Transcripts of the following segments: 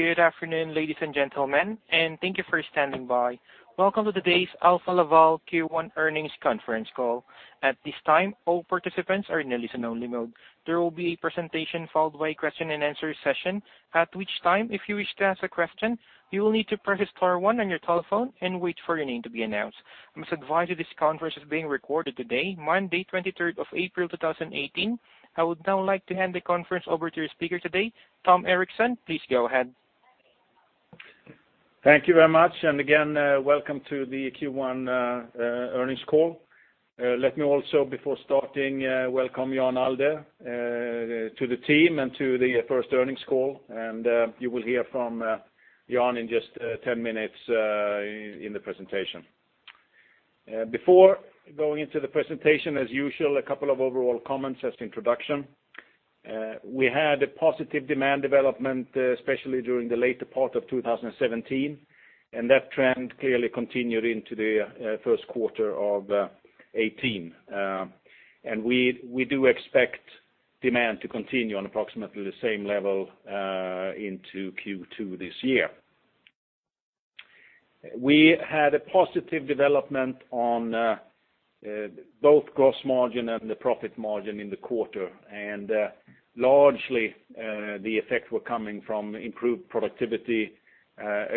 Good afternoon, ladies and gentlemen, and thank you for standing by. Welcome to today's Alfa Laval Q1 earnings conference call. At this time, all participants are in listen-only mode. There will be a presentation followed by a question and answer session, at which time, if you wish to ask a question, you will need to press star one on your telephone and wait for your name to be announced. I must advise you this conference is being recorded today, Monday 23rd of April 2018. I would now like to hand the conference over to your speaker today, Tom Erixon. Please go ahead. Thank you very much. Again, welcome to the Q1 earnings call. Let me also, before starting, welcome Jan Allde to the team and to the first earnings call. You will hear from Jan in just 10 minutes in the presentation. Before going into the presentation, as usual, a couple of overall comments as introduction. We had a positive demand development, especially during the later part of 2017, and that trend clearly continued into the first quarter of 2018. We do expect demand to continue on approximately the same level into Q2 this year. We had a positive development on both gross margin and the profit margin in the quarter, and largely the effect were coming from improved productivity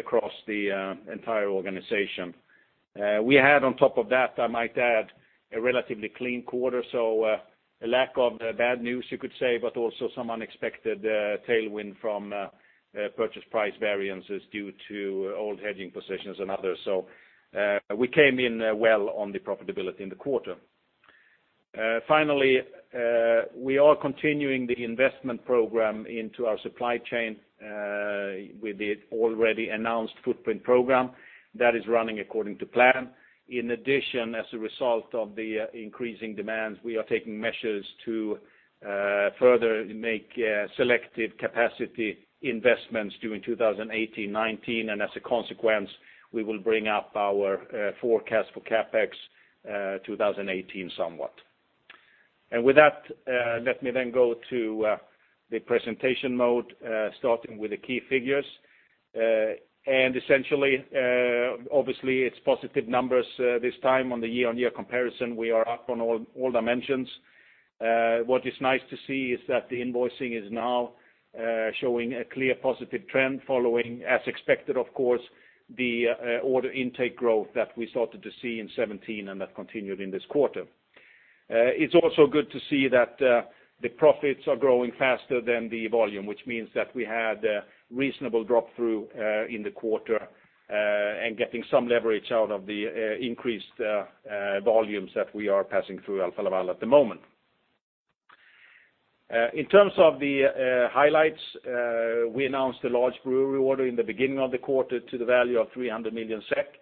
across the entire organization. We had on top of that, I might add, a relatively clean quarter, so a lack of bad news you could say, but also some unexpected tailwind from purchase price variances due to old hedging positions and others. We came in well on the profitability in the quarter. Finally, we are continuing the investment program into our supply chain with the already announced footprint program that is running according to plan. In addition, as a result of the increasing demands, we are taking measures to further make selective capacity investments during 2018-2019, and as a consequence, we will bring up our forecast for CapEx 2018 somewhat. With that, let me then go to the presentation mode, starting with the key figures. Essentially, obviously it's positive numbers this time on the year-on-year comparison, we are up on all dimensions. What is nice to see is that the invoicing is now showing a clear positive trend following as expected, of course, the order intake growth that we started to see in 2017 and that continued in this quarter. It's also good to see that the profits are growing faster than the volume, which means that we had a reasonable drop-through in the quarter, and getting some leverage out of the increased volumes that we are passing through Alfa Laval at the moment. In terms of the highlights, we announced a large brewery order in the beginning of the quarter to the value of 300 million SEK.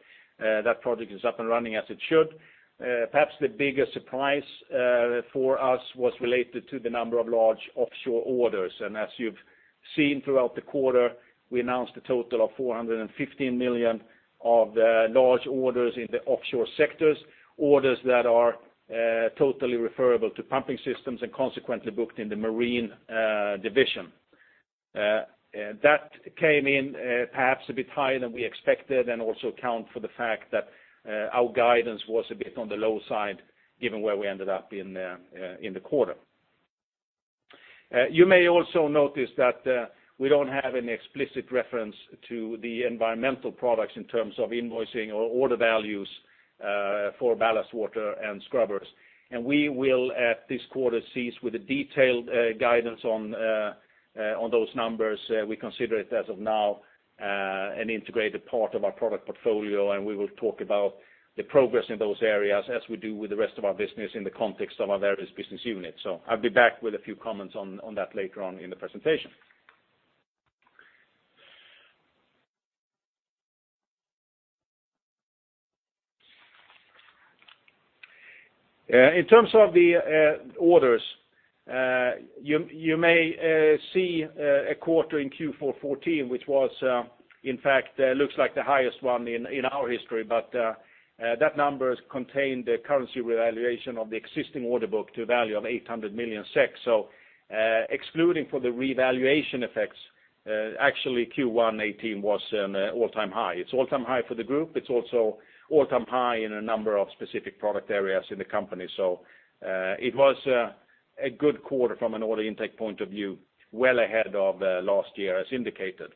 That project is up and running as it should. Perhaps the biggest surprise for us was related to the number of large offshore orders. As you've seen throughout the quarter, we announced a total of 415 million of large orders in the offshore sectors, orders that are totally referable to pumping systems and consequently booked in the marine division. That came in perhaps a bit higher than we expected and also account for the fact that our guidance was a bit on the low side given where we ended up in the quarter. You may also notice that we don't have any explicit reference to the environmental products in terms of invoicing or order values for ballast water and scrubbers. We will at this quarter cease with a detailed guidance on those numbers. We consider it as of now an integrated part of our product portfolio, we will talk about the progress in those areas as we do with the rest of our business in the context of our various business units. I'll be back with a few comments on that later on in the presentation. In terms of the orders, you may see a quarter in Q4 2014, which was in fact looks like the highest one in our history, but that numbers contained a currency revaluation of the existing order book to a value of 800 million SEK. Excluding for the revaluation effects, actually Q1 2018 was an all-time high. It's all-time high for the group. It's also all-time high in a number of specific product areas in the company. It was a good quarter from an order intake point of view, well ahead of last year as indicated.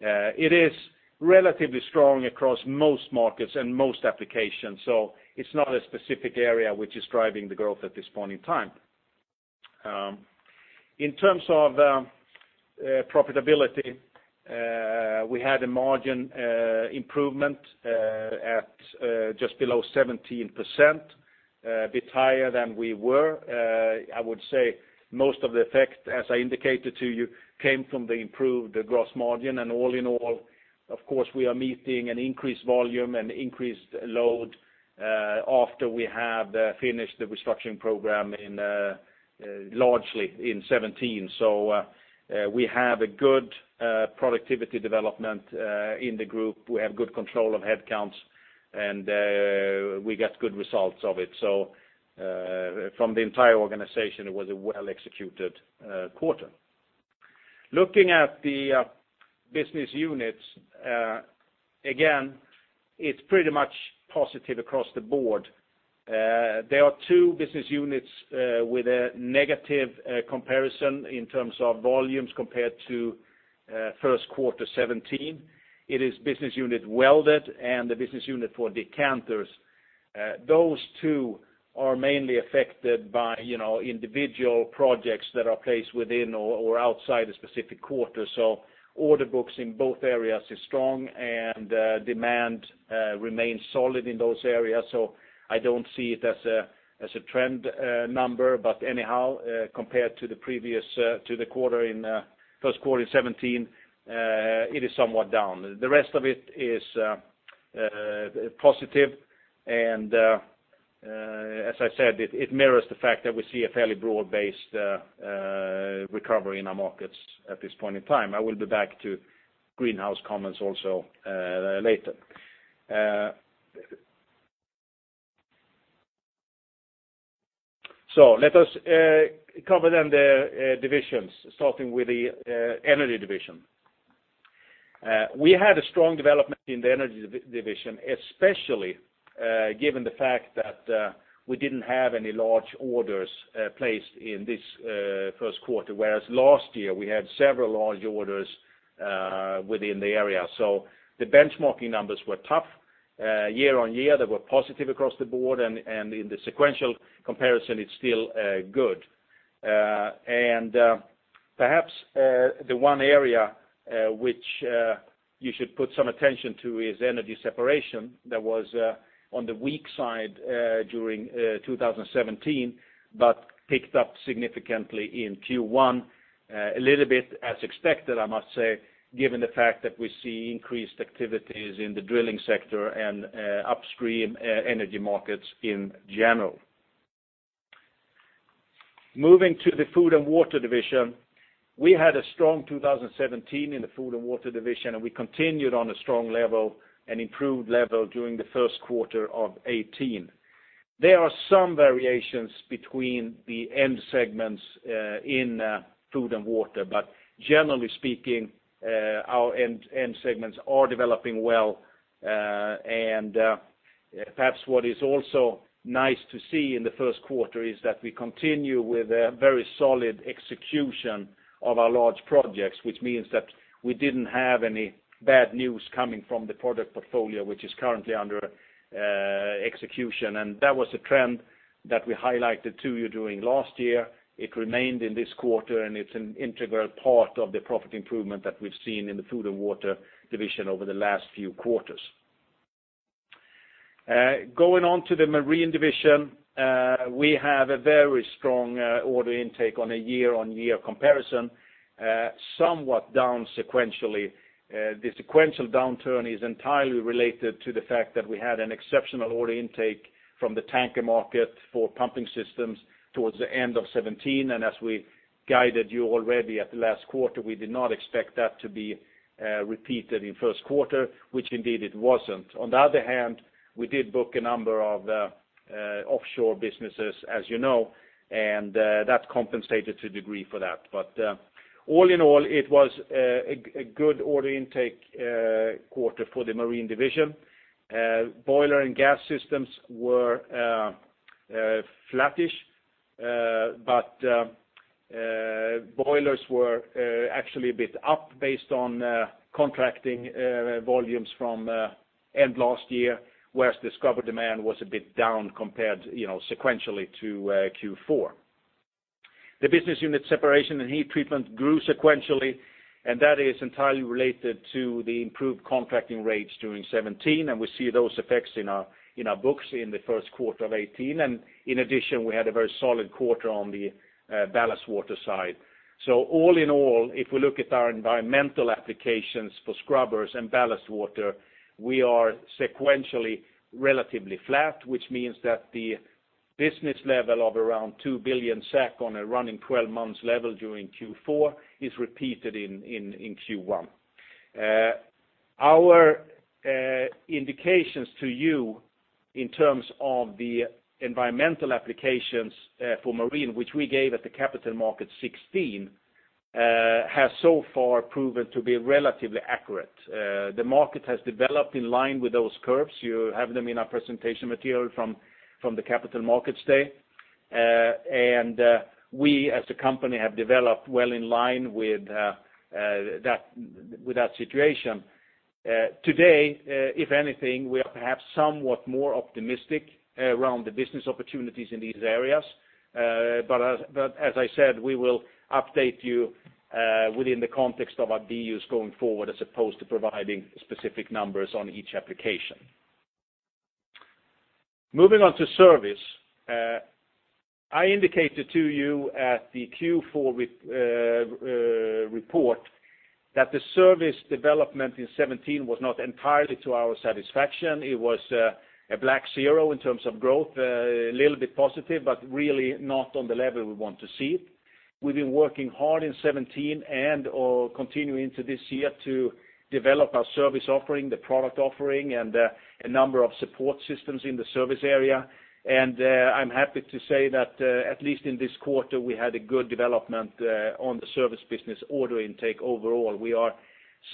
It is relatively strong across most markets and most applications, so it's not a specific area which is driving the growth at this point in time. In terms of profitability, we had a margin improvement at just below 17%, a bit higher than we were. I would say most of the effect, as I indicated to you, came from the improved gross margin. All in all, of course, we are meeting an increased volume and increased load, after we have finished the restructuring program largely in 2017. We have a good productivity development in the group. We have good control of headcounts. We got good results of it. From the entire organization, it was a well-executed quarter. Looking at the business units, again, it's pretty much positive across the board. There are two business units with a negative comparison in terms of volumes compared to first quarter 2017. It is business unit welded and the business unit for decanters. Those two are mainly affected by individual projects that are placed within or outside a specific quarter. Order books in both areas is strong, and demand remains solid in those areas. I don't see it as a trend number, but anyhow, compared to the first quarter in 2017, it is somewhat down. The rest of it is positive, as I said, it mirrors the fact that we see a fairly broad-based recovery in our markets at this point in time. I will be back to Greenhouse comments also later. Let us cover then the divisions, starting with the Energy Division. We had a strong development in the Energy Division, especially given the fact that we didn't have any large orders placed in this first quarter, whereas last year we had several large orders within the area. The benchmarking numbers were tough. Year-on-year, they were positive across the board, and in the sequential comparison, it's still good. Perhaps the one area which you should put some attention to is Energy Separation. That was on the weak side during 2017, but picked up significantly in Q1, a little bit as expected, I must say, given the fact that we see increased activities in the drilling sector and upstream energy markets in general. Moving to the Food and Water Division, we had a strong 2017 in the Food and Water Division, and we continued on a strong level and improved level during the first quarter of 2018. There are some variations between the end segments in Food and Water, but generally speaking, our end segments are developing well. Perhaps what is also nice to see in the first quarter is that we continue with a very solid execution of our large projects, which means that we didn't have any bad news coming from the product portfolio, which is currently under execution. That was a trend that we highlighted to you during last year. It remained in this quarter, and it's an integral part of the profit improvement that we've seen in the Food and Water Division over the last few quarters. Going on to the Marine Division, we have a very strong order intake on a year-on-year comparison, somewhat down sequentially. The sequential downturn is entirely related to the fact that we had an exceptional order intake from the tanker market for pumping systems towards the end of 2017, and as we guided you already at the last quarter, we did not expect that to be repeated in first quarter, which indeed it wasn't. On the other hand, we did book a number of offshore businesses, as you know, and that compensated to a degree for that. All in all, it was a good order intake quarter for the Marine Division. Boiler and gas systems were flattish, but boilers were actually a bit up based on contracting volumes from end last year, whereas discover demand was a bit down compared sequentially to Q4. The business unit separation and heat treatment grew sequentially, and that is entirely related to the improved contracting rates during 2017 and we see those effects in our books in the first quarter of 2018. In addition, we had a very solid quarter on the ballast water side. All in all, if we look at our environmental applications for scrubbers and ballast water, we are sequentially relatively flat, which means that the business level of around 2 billion SEK on a running 12-month level during Q4 is repeated in Q1. Our indications to you in terms of the environmental applications for marine, which we gave at the Capital Markets Day '16, has so far proven to be relatively accurate. The market has developed in line with those curves. You have them in our presentation material from the Capital Markets Day. We, as a company, have developed well in line with that situation. Today, if anything, we are perhaps somewhat more optimistic around the business opportunities in these areas. As I said, we will update you within the context of our BUs going forward, as opposed to providing specific numbers on each application. Moving on to service. I indicated to you at the Q4 report that the service development in 2017 was not entirely to our satisfaction. It was a black zero in terms of growth, a little bit positive, but really not on the level we want to see. We've been working hard in 2017 and are continuing into this year to develop our service offering, the product offering, and a number of support systems in the service area. I'm happy to say that, at least in this quarter, we had a good development on the service business order intake overall. We are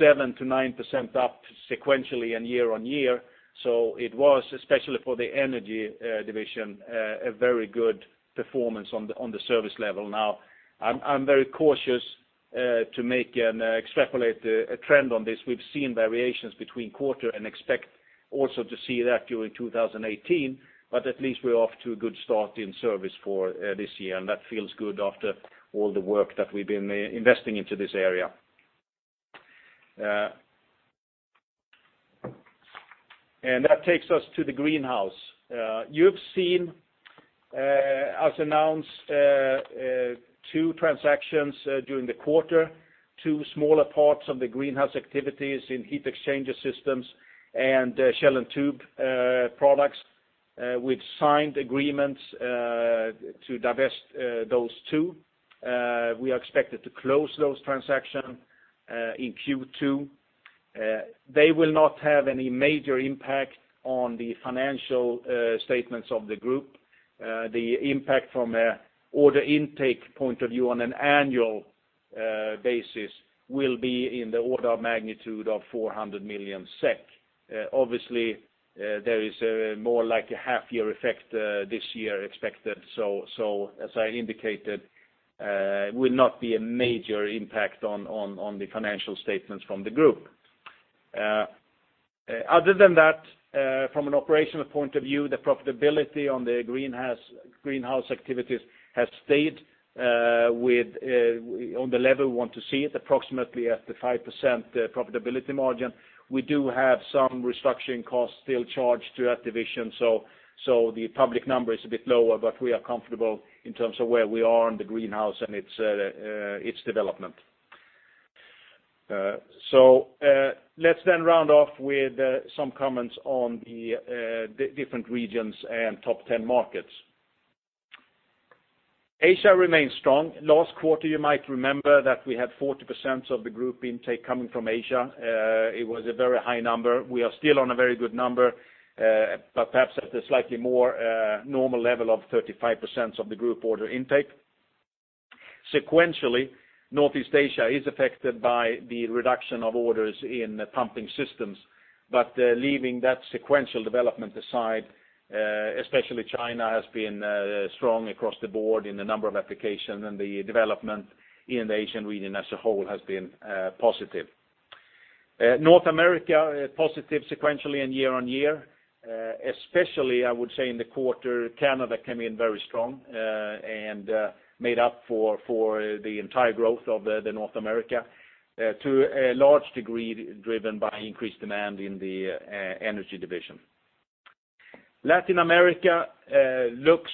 7%-9% up sequentially and year-on-year. It was, especially for the Energy Division, a very good performance on the service level. I'm very cautious to extrapolate a trend on this. We've seen variations between quarter and expect also to see that during 2018, but at least we're off to a good start in service for this year, and that feels good after all the work that we've been investing into this area. That takes us to the Greenhouse. You've seen us announce two transactions during the quarter, two smaller parts of the Greenhouse activities in heat exchanger systems and shell and tube products. We've signed agreements to divest those two. We are expected to close those transaction in Q2. They will not have any major impact on the financial statements of the group. The impact from a order intake point of view on an annual basis will be in the order of magnitude of 400 million SEK. Obviously, there is more like a half year effect this year expected. As I indicated, it will not be a major impact on the financial statements from the group. Other than that, from an operational point of view, the profitability on the Greenhouse activities has stayed on the level we want to see it, approximately at the 5% profitability margin. We do have some restructuring costs still charged to that division. The public number is a bit lower, but we are comfortable in terms of where we are in the Greenhouse and its development. Let's then round off with some comments on the different regions and top 10 markets. Asia remains strong. Last quarter, you might remember that we had 40% of the group intake coming from Asia. It was a very high number. We are still on a very good number, but perhaps at a slightly more normal level of 35% of the group order intake. Sequentially, Northeast Asia is affected by the reduction of orders in pumping systems. Leaving that sequential development aside, especially China has been strong across the board in a number of application, and the development in the Asian region as a whole has been positive. North America, positive sequentially and year-on-year. Especially, I would say in the quarter, Canada came in very strong and made up for the entire growth of the North America, to a large degree driven by increased demand in the Energy Division. Latin America looks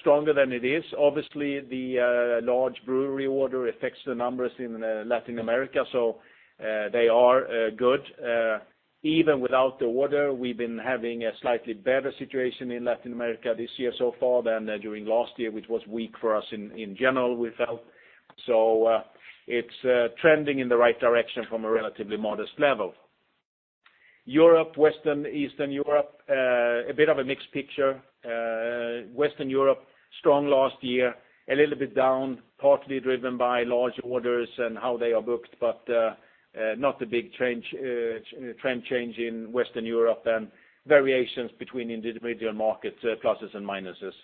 stronger than it is. Obviously, the large brewery order affects the numbers in Latin America, they are good. Even without the order, we've been having a slightly better situation in Latin America this year so far than during last year, which was weak for us in general, we felt. It's trending in the right direction from a relatively modest level. Europe, Western, Eastern Europe, a bit of a mixed picture. Western Europe, strong last year, a little bit down, partly driven by large orders and how they are booked, but not a big trend change in Western Europe, and variations between individual markets, pluses and minuses.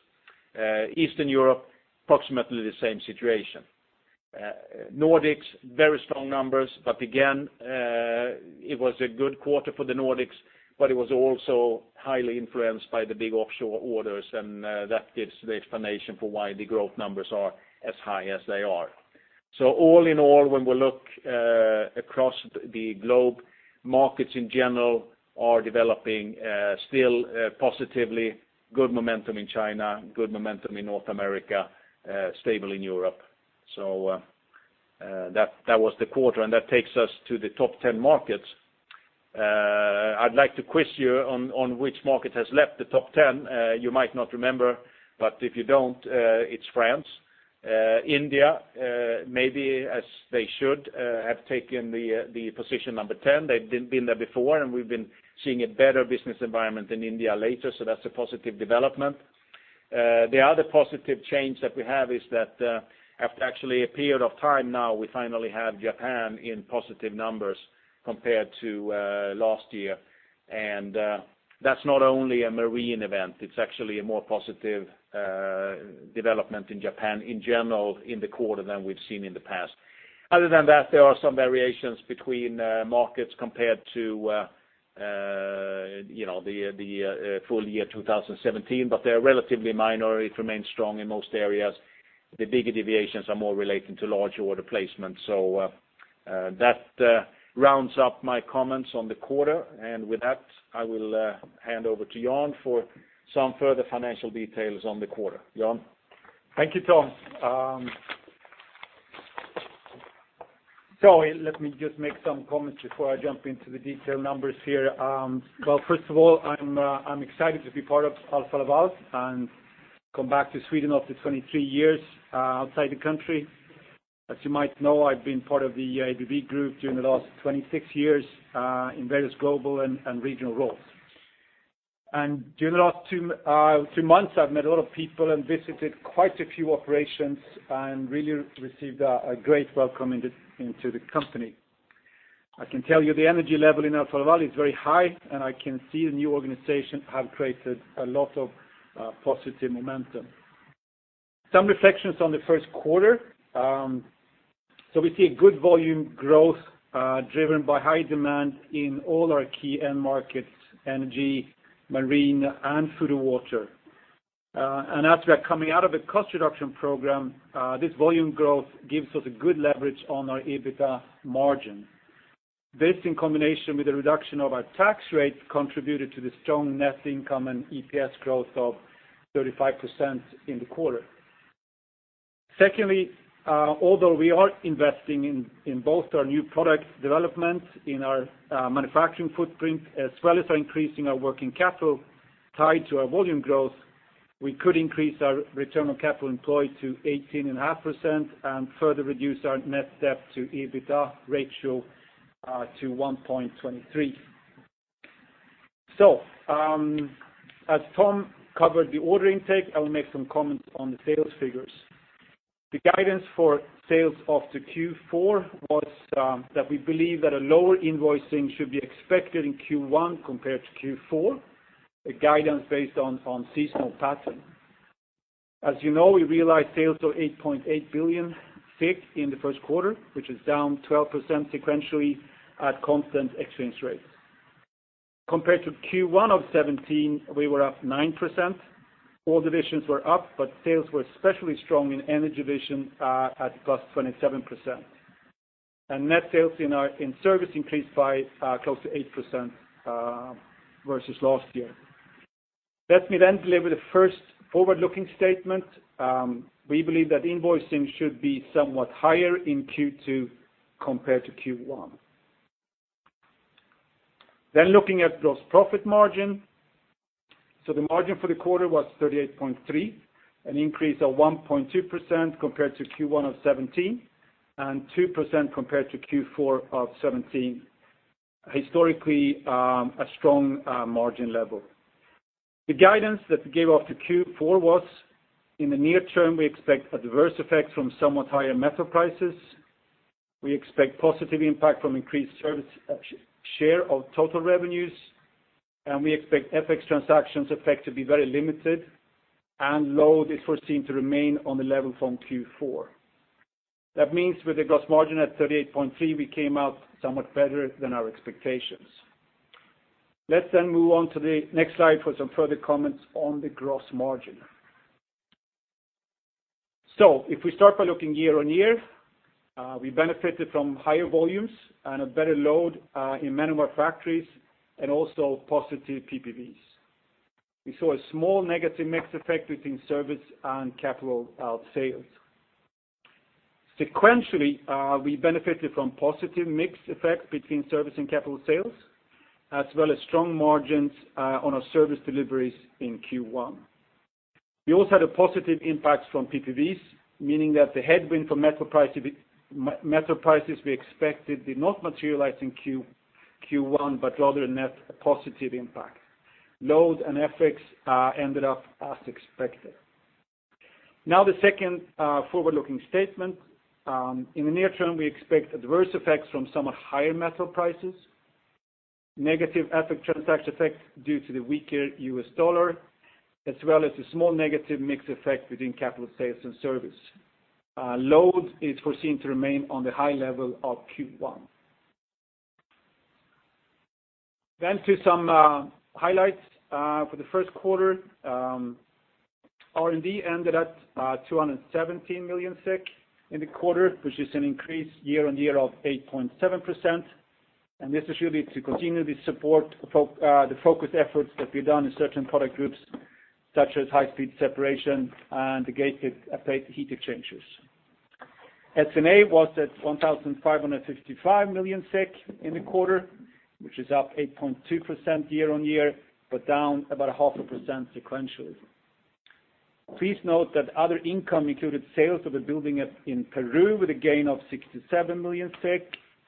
Eastern Europe, approximately the same situation. Nordics, very strong numbers, but again, it was a good quarter for the Nordics, it was also highly influenced by the big offshore orders, that gives the explanation for why the growth numbers are as high as they are. All in all, when we look across the globe, markets in general are developing still positively, good momentum in China, good momentum in North America, stable in Europe. That was the quarter, that takes us to the top 10 markets. I'd like to quiz you on which market has left the top 10. You might not remember, but if you don't, it's France. India, maybe as they should, have taken the position number 10. They've been there before, and we've been seeing a better business environment in India later, that's a positive development. The other positive change that we have is that, after actually a period of time now, we finally have Japan in positive numbers compared to last year. That's not only a marine event. It's actually a more positive development in Japan in general in the quarter than we've seen in the past. Other than that, there are some variations between markets compared to the full year 2017, they're relatively minor. It remains strong in most areas. The bigger deviations are more relating to large order placement. That rounds up my comments on the quarter. With that, I will hand over to Jan for some further financial details on the quarter. Jan? Thank you, Tom. Let me just make some comments before I jump into the detailed numbers here. Well, first of all, I'm excited to be part of Alfa Laval and come back to Sweden after 23 years outside the country. As you might know, I've been part of the ABB Group during the last 26 years, in various global and regional roles. During the last two months, I've met a lot of people and visited quite a few operations and really received a great welcome into the company. I can tell you the energy level in Alfa Laval is very high, I can see the new organization have created a lot of positive momentum. Some reflections on the first quarter. We see a good volume growth, driven by high demand in all our key end markets, energy, marine, and food and water. As we are coming out of a cost reduction program, this volume growth gives us a good leverage on our EBITDA margin. This, in combination with the reduction of our tax rate, contributed to the strong net income and EPS growth of 35% in the quarter. Secondly, although we are investing in both our new product development, in our manufacturing footprint, as well as our increasing our working capital tied to our volume growth, we could increase our return on capital employed to 18.5% and further reduce our net debt to EBITDA ratio to 1.23. As Tom covered the order intake, I will make some comments on the sales figures. The guidance for sales after Q4 was that we believe that a lower invoicing should be expected in Q1 compared to Q4, a guidance based on seasonal pattern. As you know, we realized sales of 8.8 billion in the first quarter, which is down 12% sequentially at constant exchange rates. Compared to Q1 of 2017, we were up 9%. All divisions were up, but sales were especially strong in Energy Division at +27%. Net sales in service increased by close to 8% versus last year. Let me then deliver the first forward-looking statement. We believe that invoicing should be somewhat higher in Q2 compared to Q1. Looking at gross profit margin. The margin for the quarter was 38.3%, an increase of 1.2% compared to Q1 of 2017, and 2% compared to Q4 of 2017. Historically, a strong margin level. The guidance that we gave after Q4 was, in the near term, we expect adverse effects from somewhat higher metal prices. We expect positive impact from increased service share of total revenues, and we expect FX transactions effect to be very limited and low is foreseen to remain on the level from Q4. That means with the gross margin at 38.3%, we came out somewhat better than our expectations. Let's move on to the next slide for some further comments on the gross margin. If we start by looking year-over-year, we benefited from higher volumes and a better load in many of our factories and also positive PPVs. We saw a small negative mix effect between service and capital sales. Sequentially, we benefited from positive mix effect between service and capital sales, as well as strong margins on our service deliveries in Q1. We also had a positive impact from PPVs, meaning that the headwind from metal prices we expected did not materialize in Q1, but rather a net positive impact. Load and FX ended up as expected. The second forward-looking statement. In the near term, we expect adverse effects from somewhat higher metal prices, negative FX transaction effect due to the weaker US dollar, as well as a small negative mix effect between capital sales and service. Load is foreseen to remain on the high level of Q1. To some highlights for the first quarter. R&D ended at 217 million in the quarter, which is an increase year-over-year of 8.7%, and this is really to continue the support, the focus efforts that we've done in certain product groups, such as high-speed separation and the gasketed plate heat exchangers. S&A was at 1,555 million SEK in the quarter, which is up 8.2% year-on-year, but down about a half a percent sequentially. Please note that other income included sales of a building in Peru with a gain of 67 million,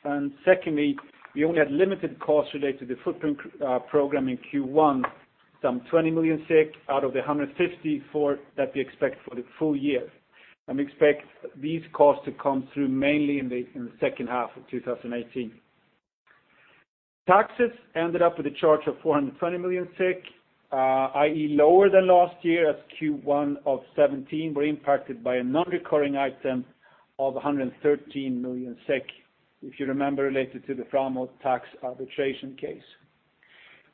and secondly, we only had limited costs related to the footprint program in Q1, some 20 million out of the 150 million that we expect for the full year, and we expect these costs to come through mainly in the second half of 2018. Taxes ended up with a charge of 420 million, i.e. lower than last year as Q1 2017 was impacted by a non-recurring item of 113 million SEK, if you remember, related to the Framatome tax arbitration case.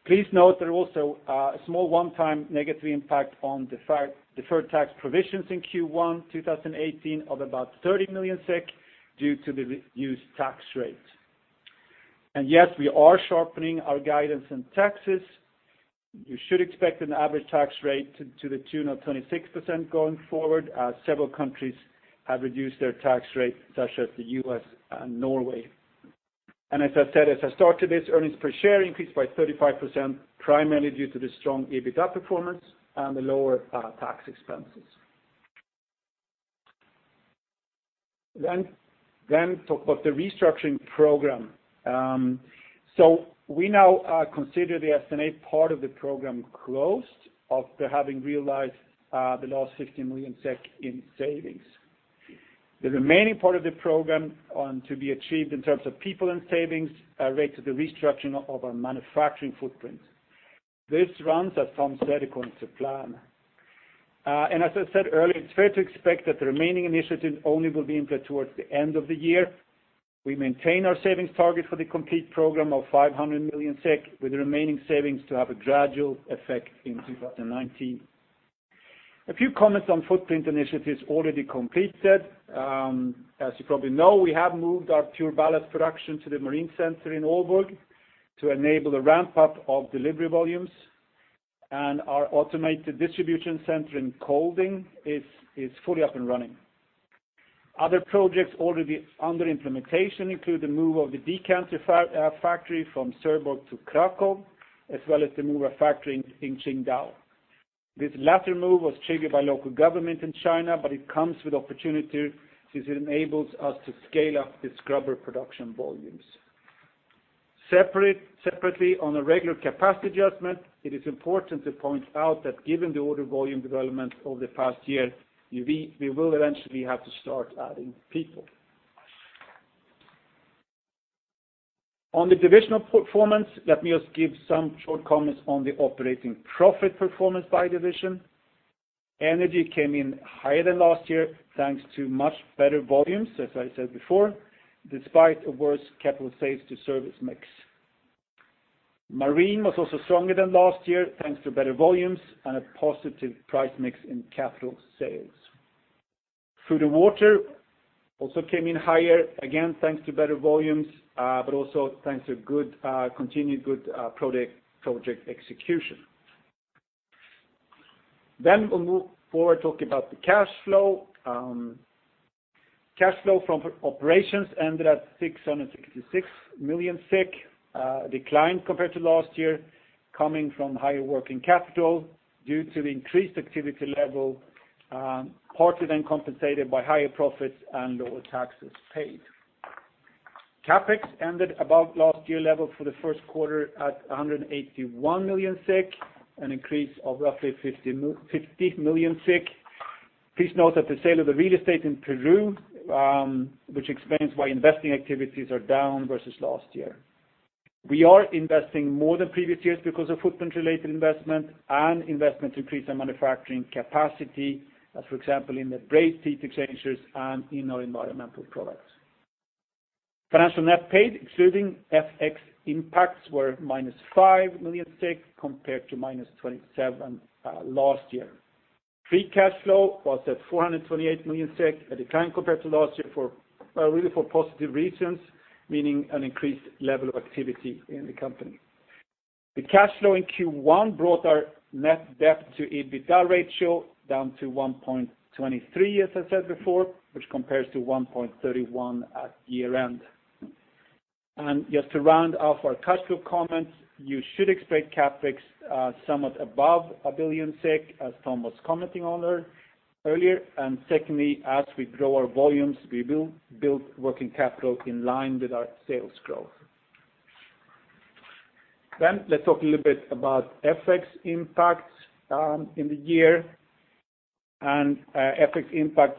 Please note there was also a small one-time negative impact on deferred tax provisions in Q1 2018 of about 30 million SEK due to the reduced tax rate. Yes, we are sharpening our guidance in taxes. You should expect an average tax rate to the tune of 26% going forward, as several countries have reduced their tax rate, such as the U.S. and Norway. As I said, as I started this, earnings per share increased by 35%, primarily due to the strong EBITDA performance and the lower tax expenses. Talk about the restructuring program. We now consider the S&A part of the program closed after having realized the last 50 million SEK in savings. The remaining part of the program to be achieved in terms of people and savings relate to the restructuring of our manufacturing footprint. This runs, as Tom said, according to plan. As I said earlier, it's fair to expect that the remaining initiatives only will be implemented towards the end of the year. We maintain our savings target for the complete program of 500 million SEK, with the remaining savings to have a gradual effect in 2019. A few comments on footprint initiatives already completed. As you probably know, we have moved our PureBallast production to the marine center in Aalborg to enable the ramp-up of delivery volumes, and our automated distribution center in Kolding is fully up and running. Other projects already under implementation include the move of the decanter factory from Søborg to Kraków, as well as the move of factory in Qingdao. This latter move was triggered by local government in China, but it comes with opportunity since it enables us to scale up the scrubber production volumes. On a regular capacity adjustment, it is important to point out that given the order volume development over the past year, we will eventually have to start adding people. On the divisional performance, let me just give some short comments on the operating profit performance by division. Energy came in higher than last year, thanks to much better volumes, as I said before, despite a worse capital sales to service mix. Marine was also stronger than last year, thanks to better volumes and a positive price mix in capital sales. Food and Water also came in higher, again, thanks to better volumes, but also thanks to continued good project execution. We'll move forward talking about the cash flow. Cash flow from operations ended at 666 million SEK, a decline compared to last year, coming from higher working capital due to the increased activity level, partly then compensated by higher profits and lower taxes paid. CapEx ended above last year level for the first quarter at 181 million SEK, an increase of roughly 50 million SEK. Please note that the sale of the real estate in Peru, which explains why investing activities are down versus last year. We are investing more than previous years because of footprint-related investment and investment to increase our manufacturing capacity, as for example, in the brazed heat exchangers and in our environmental products. Financial net paid, excluding FX impacts, were minus 5 million SEK compared to minus 27 last year. Free cash flow was at 428 million SEK, a decline compared to last year really for positive reasons, meaning an increased level of activity in the company. The cash flow in Q1 brought our net debt to EBITDA ratio down to 1.23, as I said before, which compares to 1.31 at year-end. Just to round off our cash flow comments, you should expect CapEx somewhat above 1 billion SEK, as Tom was commenting on earlier. Secondly, as we grow our volumes, we will build working capital in line with our sales growth. Let's talk a little bit about FX impacts in the year. FX impact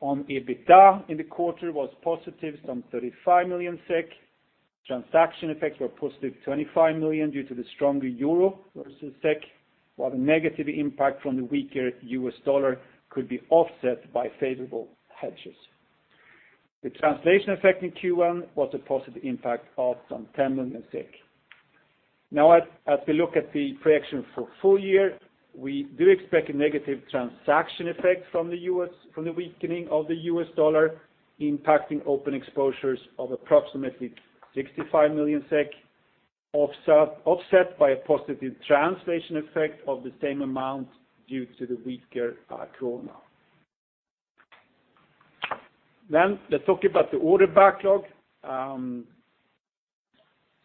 on EBITDA in the quarter was positive, some 35 million SEK. Transaction effects were positive 25 million due to the stronger euro versus SEK, while the negative impact from the weaker US dollar could be offset by favorable hedges. The translation effect in Q1 was a positive impact of some 10 million SEK. As we look at the projection for full year, we do expect a negative transaction effect from the weakening of the US dollar, impacting open exposures of approximately 65 million SEK, offset by a positive translation effect of the same amount due to the weaker krona. Let's talk about the order backlog.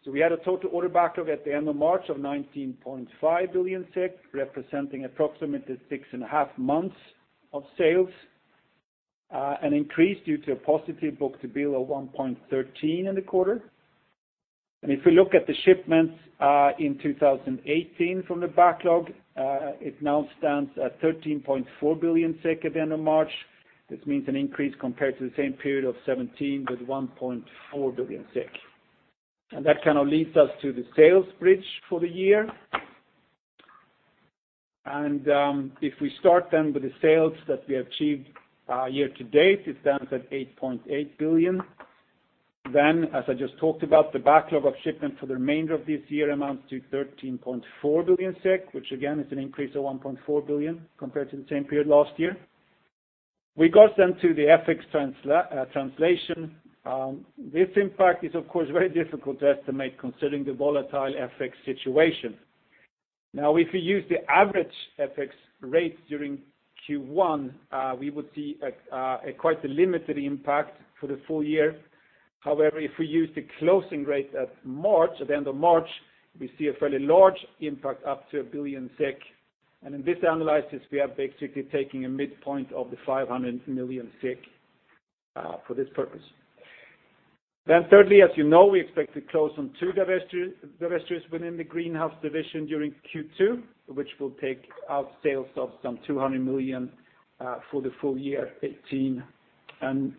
We had a total order backlog at the end of March of 19.5 billion SEK, representing approximately six and a half months of sales, an increase due to a positive book-to-bill of 1.13 in the quarter. If we look at the shipments in 2018 from the backlog, it now stands at 13.4 billion SEK at the end of March. This means an increase compared to the same period of 2017 with 1.4 billion SEK. That kind of leads us to the sales bridge for the year. If we start then with the sales that we achieved year to date, it stands at 8.8 billion. As I just talked about, the backlog of shipment for the remainder of this year amounts to 13.4 billion SEK, which again is an increase of 1.4 billion compared to the same period last year. We got then to the FX translation. This impact is of course, very difficult to estimate considering the volatile FX situation. If we use the average FX rates during Q1, we would see quite a limited impact for the full year. However, if we use the closing rate at the end of March, we see a fairly large impact up to 1 billion SEK. In this analysis, we are basically taking a midpoint of the SEK 500 million for this purpose. Thirdly, as you know, we expect to close on two divestitures within the Greenhouse division during Q2, which will take out sales of some 200 million for the full year 2018.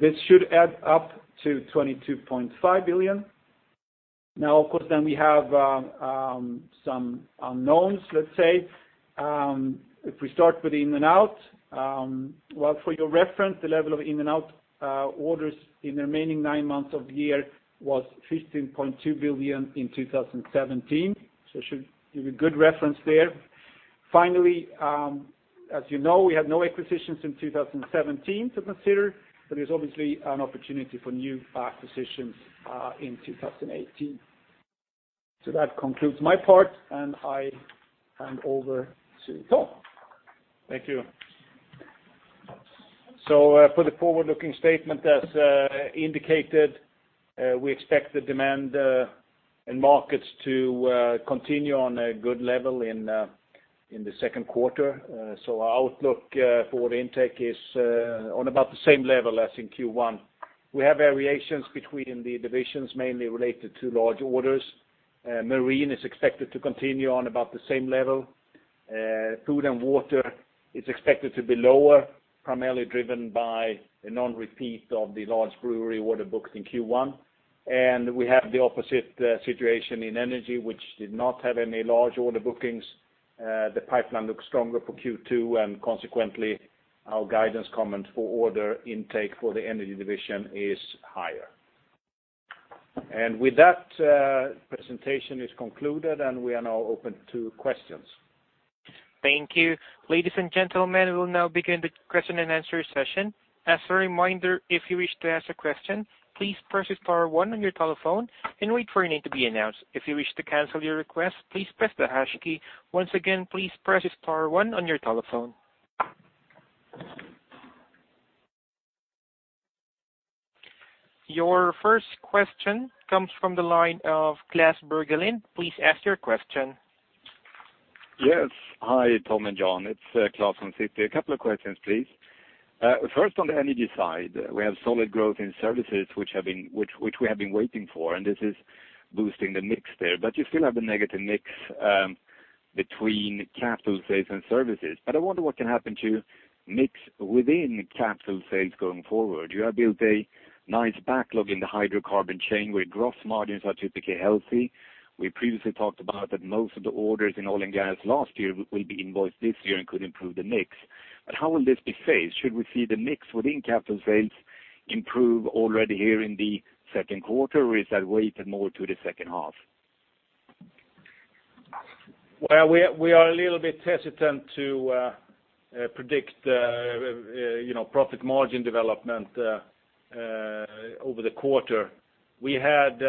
This should add up to 22.5 billion. We have some unknowns, let's say. If we start with in and out, well, for your reference, the level of in and out orders in the remaining nine months of the year was 15.2 billion in 2017, so it should give you good reference there. As you know, we had no acquisitions in 2017 to consider, but there's obviously an opportunity for new acquisitions in 2018. That concludes my part, and I hand over to Tom. Thank you. For the forward-looking statement, as indicated, we expect the demand in markets to continue on a good level in the second quarter. Our outlook for the intake is on about the same level as in Q1. We have variations between the divisions, mainly related to large orders. Marine is expected to continue on about the same level. Food and Water is expected to be lower, primarily driven by a non-repeat of the large brewery order booked in Q1. We have the opposite situation in Energy, which did not have any large order bookings. The pipeline looks stronger for Q2, consequently, our guidance comment for order intake for the Energy division is higher. With that, presentation is concluded, and we are now open to questions. Thank you. Ladies and gentlemen, we will now begin the question and answer session. As a reminder, if you wish to ask a question, please press star one on your telephone and wait for your name to be announced. If you wish to cancel your request, please press the hash key. Once again, please press star one on your telephone. Your first question comes from the line of Klas Bergelind. Please ask your question. Hi, Tom and Jan. It's Klas from Citi. A couple of questions, please. On the Energy side, we have solid growth in services which we have been waiting for, this is boosting the mix there. You still have a negative mix between capital sales and services. I wonder what can happen to mix within capital sales going forward. You have built a nice backlog in the hydrocarbon chain where gross margins are typically healthy. We previously talked about that most of the orders in oil and gas last year will be invoiced this year and could improve the mix. How will this be phased? Should we see the mix within capital sales improve already here in the second quarter, or is that weighted more to the second half? We are a little bit hesitant to predict profit margin development over the quarter. We had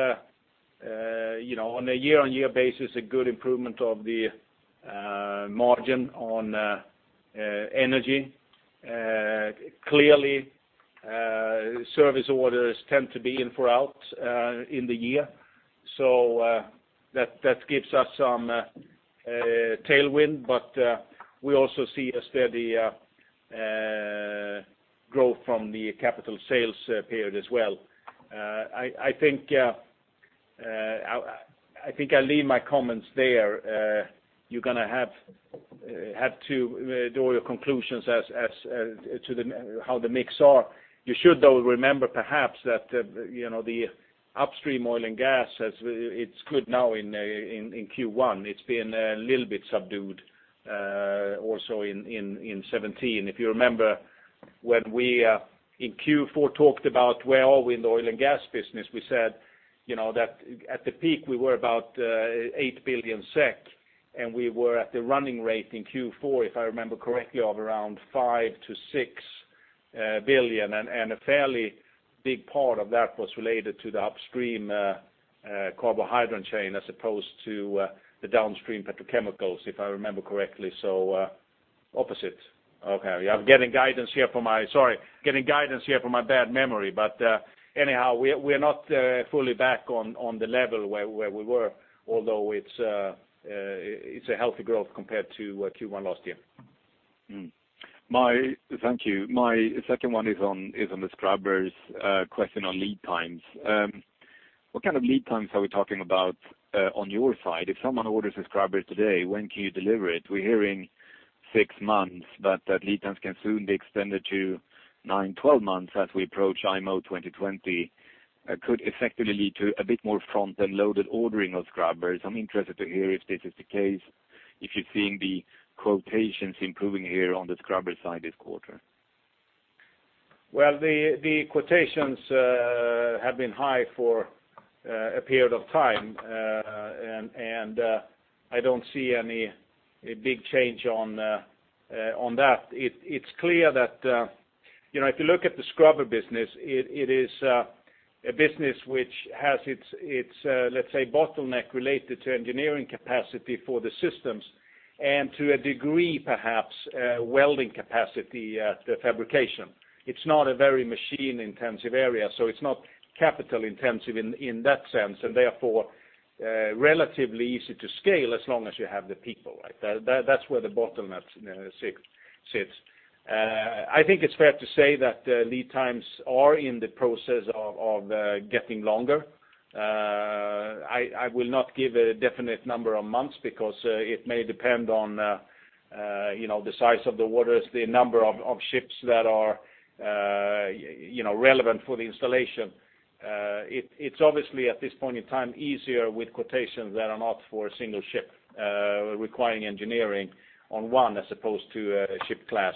on a year-over-year basis, a good improvement of the margin on energy. Clearly, service orders tend to be in and out in the year. That gives us some tailwind, but we also see a steady growth from the capital sales period as well. I think I'll leave my comments there. You're going to have to do all your conclusions as to how the mix are. You should though remember perhaps that the upstream oil and gas, it's good now in Q1. It's been a little bit subdued also in 2017. Thank you. If you remember when we in Q4 talked about where are we in the oil and gas business, we said that at the peak we were about 8 billion SEK, and we were at the running rate in Q4, if I remember correctly, of around 5 billion-6 billion, and a fairly big part of that was related to the upstream hydrocarbon chain as opposed to the downstream petrochemicals, if I remember correctly. Opposite. Okay. I'm getting guidance here from my bad memory. Anyhow, we are not fully back on the level where we were, although it's a healthy growth compared to Q1 last year. Thank you. My second one is on the scrubbers question on lead times. What kind of lead times are we talking about on your side? If someone orders a scrubber today, when can you deliver it? We're hearing 6 months, but that lead times can soon be extended to 9, 12 months as we approach IMO 2020. This could effectively lead to a bit more front-loaded ordering of scrubbers. I'm interested to hear if this is the case, if you're seeing the quotations improving here on the scrubber side this quarter. The quotations have been high for a period of time. I don't see any big change on that. It's clear that, if you look at the scrubber business, it is a business which has its, let's say, bottleneck related to engineering capacity for the systems and to a degree, perhaps, welding capacity fabrication. It's not a very machine-intensive area, it's not capital intensive in that sense, therefore, relatively easy to scale as long as you have the people. That's where the bottleneck sits. I think it's fair to say that lead times are in the process of getting longer. I will not give a definite number of months because it may depend on the size of the orders, the number of ships that are relevant for the installation. It's obviously, at this point in time, easier with quotations that are not for a single ship, requiring engineering on one as opposed to a ship class.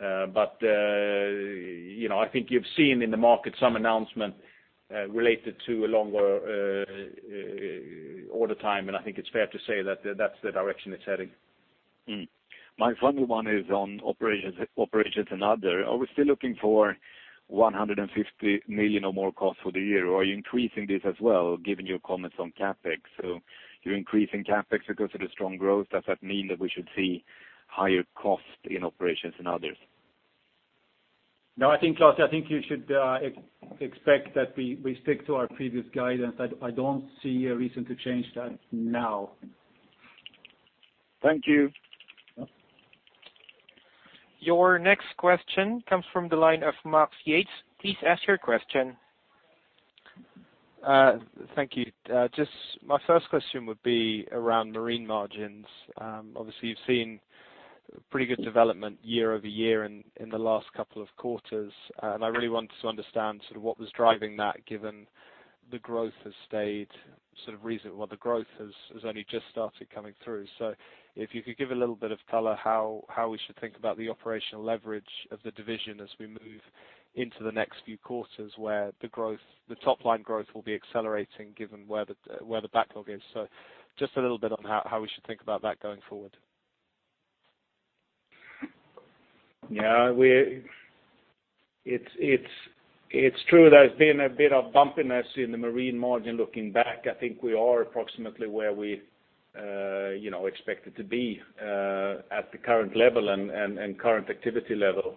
I think you've seen in the market some announcement related to a longer order time, and I think it's fair to say that that's the direction it's heading. My final one is on operations and other. Are we still looking for 150 million or more costs for the year, or are you increasing this as well, given your comments on CapEx? You're increasing CapEx because of the strong growth. Does that mean that we should see higher cost in operations and others? No, I think, Klas, you should expect that we stick to our previous guidance. I don't see a reason to change that now. Thank you. Your next question comes from the line of Max Yates. Please ask your question. Thank you. Just my first question would be around marine margins. Obviously, you've seen pretty good development year-over-year in the last couple of quarters, and I really wanted to understand what was driving that, given the growth has only just started coming through. If you could give a little bit of color, how we should think about the operational leverage of the division as we move into the next few quarters where the top-line growth will be accelerating given where the backlog is. Just a little bit on how we should think about that going forward. Yeah. It's true there's been a bit of bumpiness in the marine margin looking back. I think we are approximately where we expected to be, at the current level and current activity level.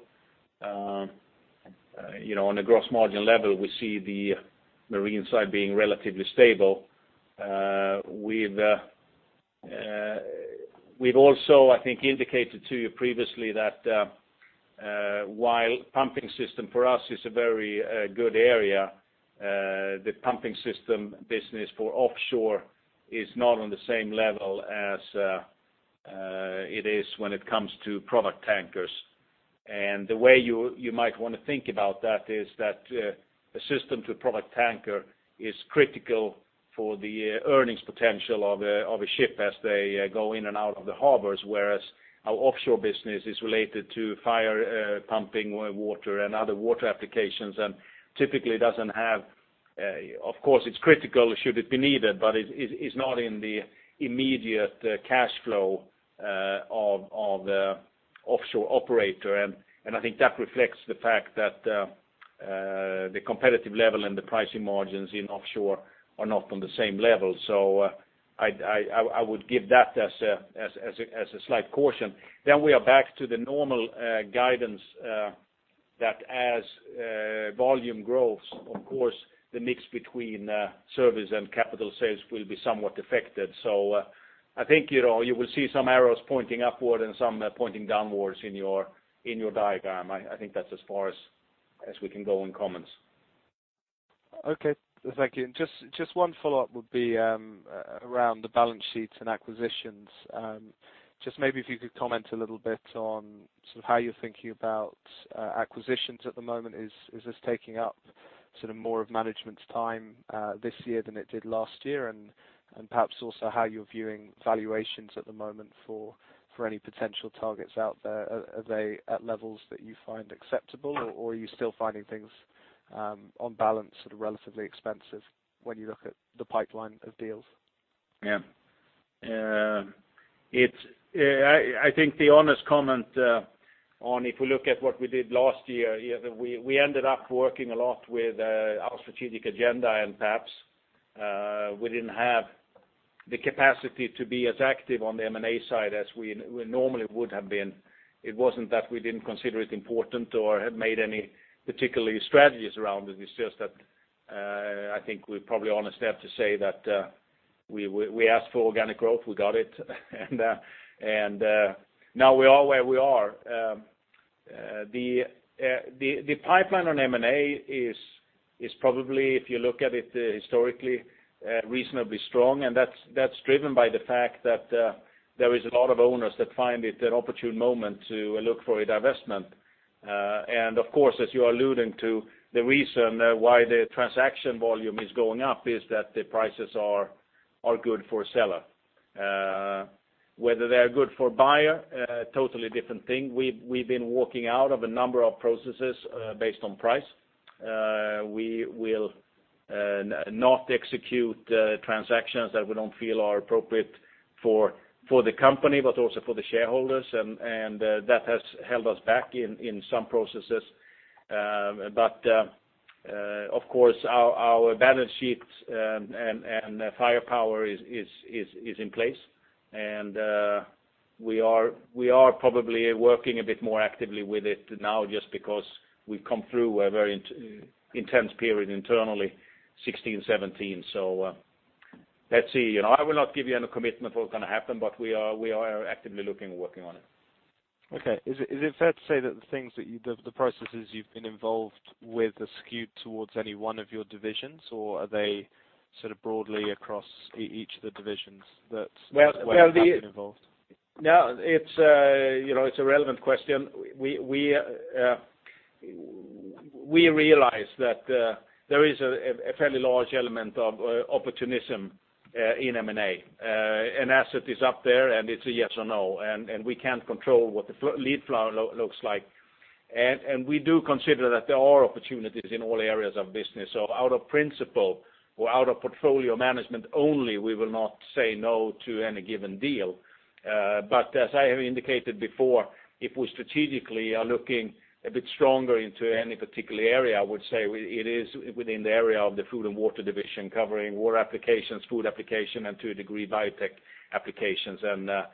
On a gross margin level, we see the marine side being relatively stable. We've also, I think, indicated to you previously that while pumping system for us is a very good area, the pumping system business for offshore is not on the same level as it is when it comes to product tankers. The way you might want to think about that is that a system to product tanker is critical for the earnings potential of a ship as they go in and out of the harbors. Whereas our offshore business is related to fire pumping water and other water applications, of course, it's critical should it be needed, but it's not in the immediate cash flow of the offshore operator. I think that reflects the fact that the competitive level and the pricing margins in offshore are not on the same level. I would give that as a slight caution. We are back to the normal guidance that as volume grows, of course, the mix between service and capital sales will be somewhat affected. I think you will see some arrows pointing upward and some pointing downwards in your diagram. I think that's as far as we can go in comments. Okay. Thank you. Just one follow-up would be around the balance sheets and acquisitions. Just maybe if you could comment a little bit on how you're thinking about acquisitions at the moment. Is this taking up more of management's time this year than it did last year? Perhaps also how you're viewing valuations at the moment for any potential targets out there. Are they at levels that you find acceptable, or are you still finding things, on balance, relatively expensive when you look at the pipeline of deals? Yeah. I think the honest comment on if we look at what we did last year, we ended up working a lot with our strategic agenda, perhaps we didn't have the capacity to be as active on the M&A side as we normally would have been. It wasn't that we didn't consider it important or have made any particular strategies around it. It's just that, I think we're probably honest there to say that we asked for organic growth, we got it, and now we are where we are. The pipeline on M&A is probably, if you look at it historically, reasonably strong, that's driven by the fact that there is a lot of owners that find it an opportune moment to look for a divestment. Of course, as you are alluding to, the reason why the transaction volume is going up is that the prices are good for seller. Whether they are good for buyer, totally different thing. We've been walking out of a number of processes based on price. We will not execute transactions that we don't feel are appropriate for the company, but also for the shareholders, that has held us back in some processes. Of course, our balance sheets and firepower is in place. We are probably working a bit more actively with it now just because we've come through a very intense period internally, 2016, 2017. Let's see. I will not give you any commitment what's going to happen, but we are actively looking and working on it. Okay. Is it fair to say that the processes you've been involved with are skewed towards any one of your divisions, or are they sort of broadly across each of the divisions that you've been involved? No, it's a relevant question. We realize that there is a fairly large element of opportunism in M&A. An asset is up there, it's a yes or no, we can't control what the lead flow looks like. We do consider that there are opportunities in all areas of business. Out of principle or out of portfolio management only, we will not say no to any given deal. As I have indicated before, if we strategically are looking a bit stronger into any particular area, I would say it is within the area of the Food and Water Division, covering water applications, food application, and to a degree, biotech applications. After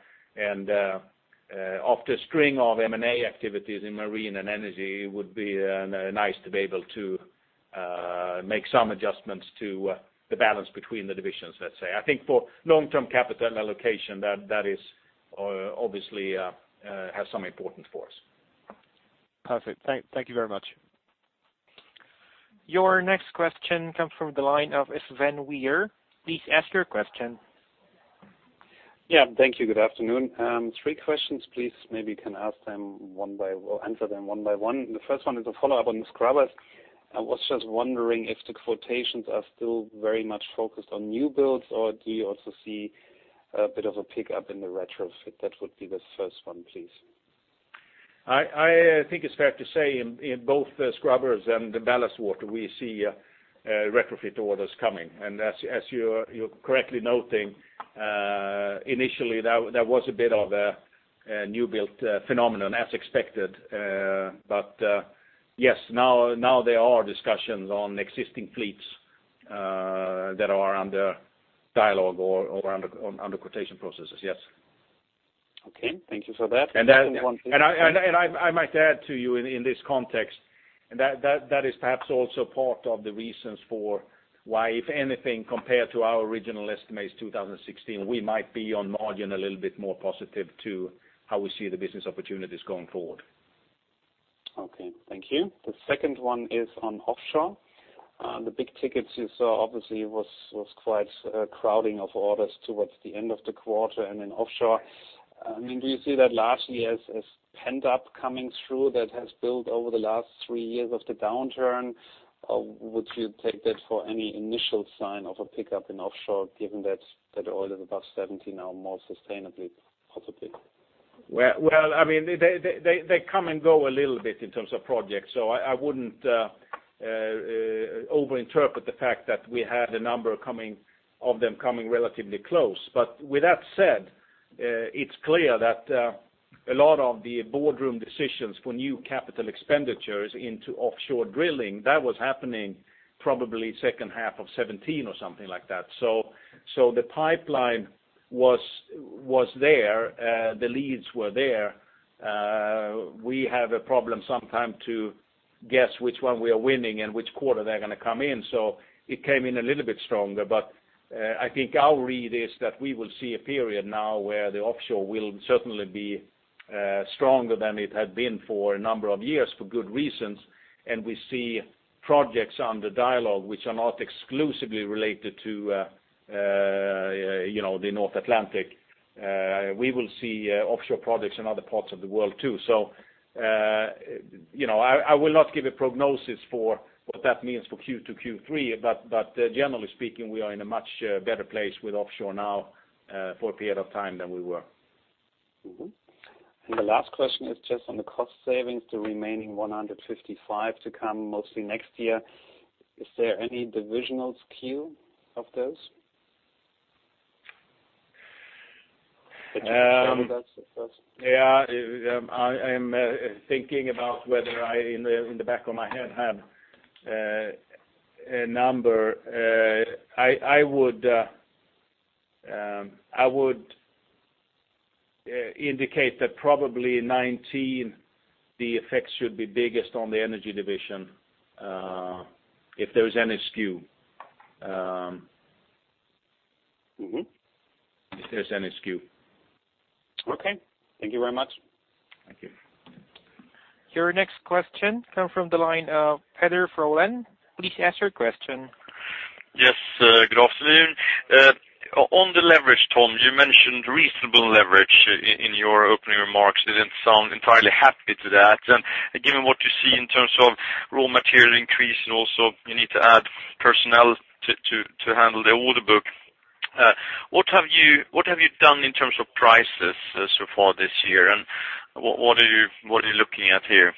a string of M&A activities in Marine and Energy, it would be nice to be able to make some adjustments to the balance between the divisions, let's say. I think for long-term capital allocation, that obviously has some importance for us. Perfect. Thank you very much. Your next question comes from the line of Sven Weier. Please ask your question. Yeah, thank you. Good afternoon. Three questions, please. Maybe you can answer them one by one. The first one is a follow-up on the scrubbers. I was just wondering if the quotations are still very much focused on new builds, or do you also see a bit of a pickup in the retrofit? That would be the first one, please. I think it's fair to say in both the scrubbers and the ballast water, we see retrofit orders coming. As you're correctly noting, initially there was a bit of a new-build phenomenon, as expected. Yes, now there are discussions on existing fleets, that are under dialogue or under quotation processes, yes. Okay. Thank you for that. I might add to you in this context, that is perhaps also part of the reasons for why, if anything, compared to our original estimates 2016, we might be on margin a little bit more positive to how we see the business opportunities going forward. Okay, thank you. The second one is on offshore. The big tickets you saw obviously was quite a crowding of orders towards the end of the quarter and in offshore. Do you see that largely as pent-up coming through that has built over the last three years of the downturn? Would you take that for any initial sign of a pickup in offshore, given that oil is above 70 now more sustainably, possibly? Well, they come and go a little bit in terms of projects, so I wouldn't over-interpret the fact that we had a number of them coming relatively close. With that said, it's clear that a lot of the boardroom decisions for new capital expenditures into offshore drilling, that was happening probably second half of 2017 or something like that. The pipeline was there, the leads were there. We have a problem sometime to guess which one we are winning and which quarter they're going to come in, so it came in a little bit stronger. I think our read is that we will see a period now where the offshore will certainly be stronger than it had been for a number of years for good reasons. We see projects under dialogue which are not exclusively related to the North Atlantic. We will see offshore projects in other parts of the world, too. I will not give a prognosis for what that means for Q2, Q3, but generally speaking, we are in a much better place with offshore now for a period of time than we were. The last question is just on the cost savings, the remaining 155 to come mostly next year. Is there any divisional skew of those? Yeah. I'm thinking about whether I, in the back of my head, have a number. I would indicate that probably in 2019, the effects should be biggest on the Energy Division, if there's any skew. If there's any skew. Okay. Thank you very much. Thank you. Your next question comes from the line of Peder Frölén. Please ask your question. Yes, good afternoon. On the leverage, Tom, you mentioned reasonable leverage in your opening remarks. You didn't sound entirely happy to that. Given what you see in terms of raw material increase, and also you need to add personnel to handle the order book, what have you done in terms of prices so far this year, and what are you looking at here?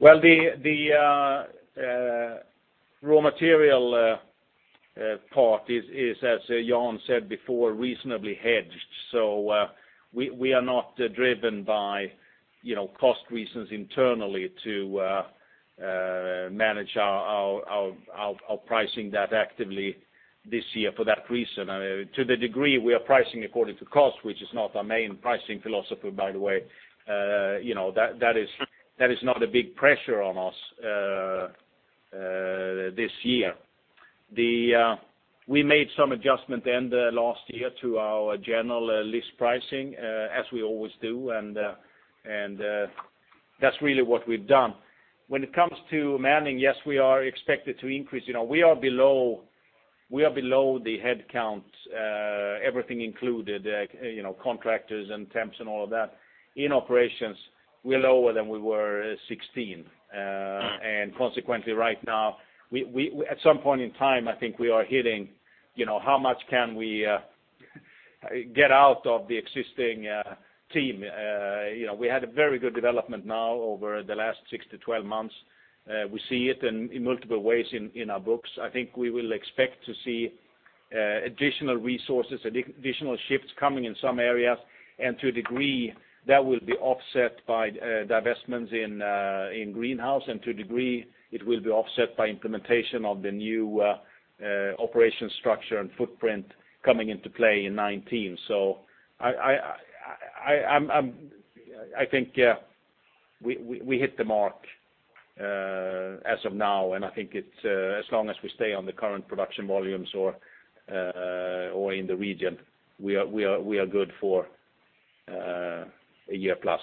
Well, the raw material part is, as Jan said before, reasonably hedged. We are not driven by cost reasons internally to manage our pricing that actively this year for that reason. To the degree we are pricing according to cost, which is not our main pricing philosophy, by the way, that is not a big pressure on us this year. We made some adjustment end of last year to our general list pricing, as we always do, and that's really what we've done. When it comes to manning, yes, we are expected to increase. We are below the headcount, everything included, contractors and temps and all of that. In operations, we're lower than we were in 2016. Consequently, right now, at some point in time, I think we are hitting, how much can we get out of the existing team? We had a very good development now over the last six to 12 months. We see it in multiple ways in our books. I think we will expect to see additional resources, additional shifts coming in some areas, and to a degree, that will be offset by divestments in Greenhouse, and to a degree, it will be offset by implementation of the new operation structure and footprint coming into play in 2019. I think we hit the mark as of now, and I think as long as we stay on the current production volumes or in the region, we are good for a year plus.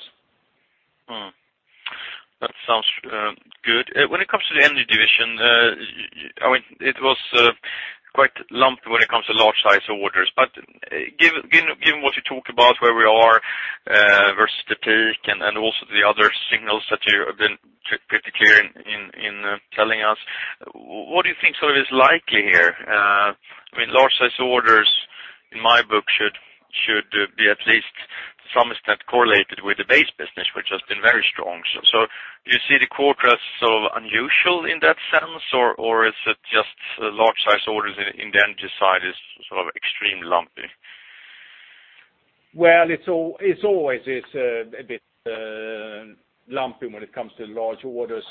That sounds good. When it comes to the Energy Division, it was quite lumped when it comes to large size orders. Given what you talked about, where we are versus the peak and also the other signals that you have been pretty clear in telling us, what do you think is likely here? Large size orders in my book should be at least to some extent correlated with the base business, which has been very strong. Do you see the quarter as unusual in that sense, or is it just large size orders in the energy side is extremely lumpy? Well, it's always a bit lumpy when it comes to large orders.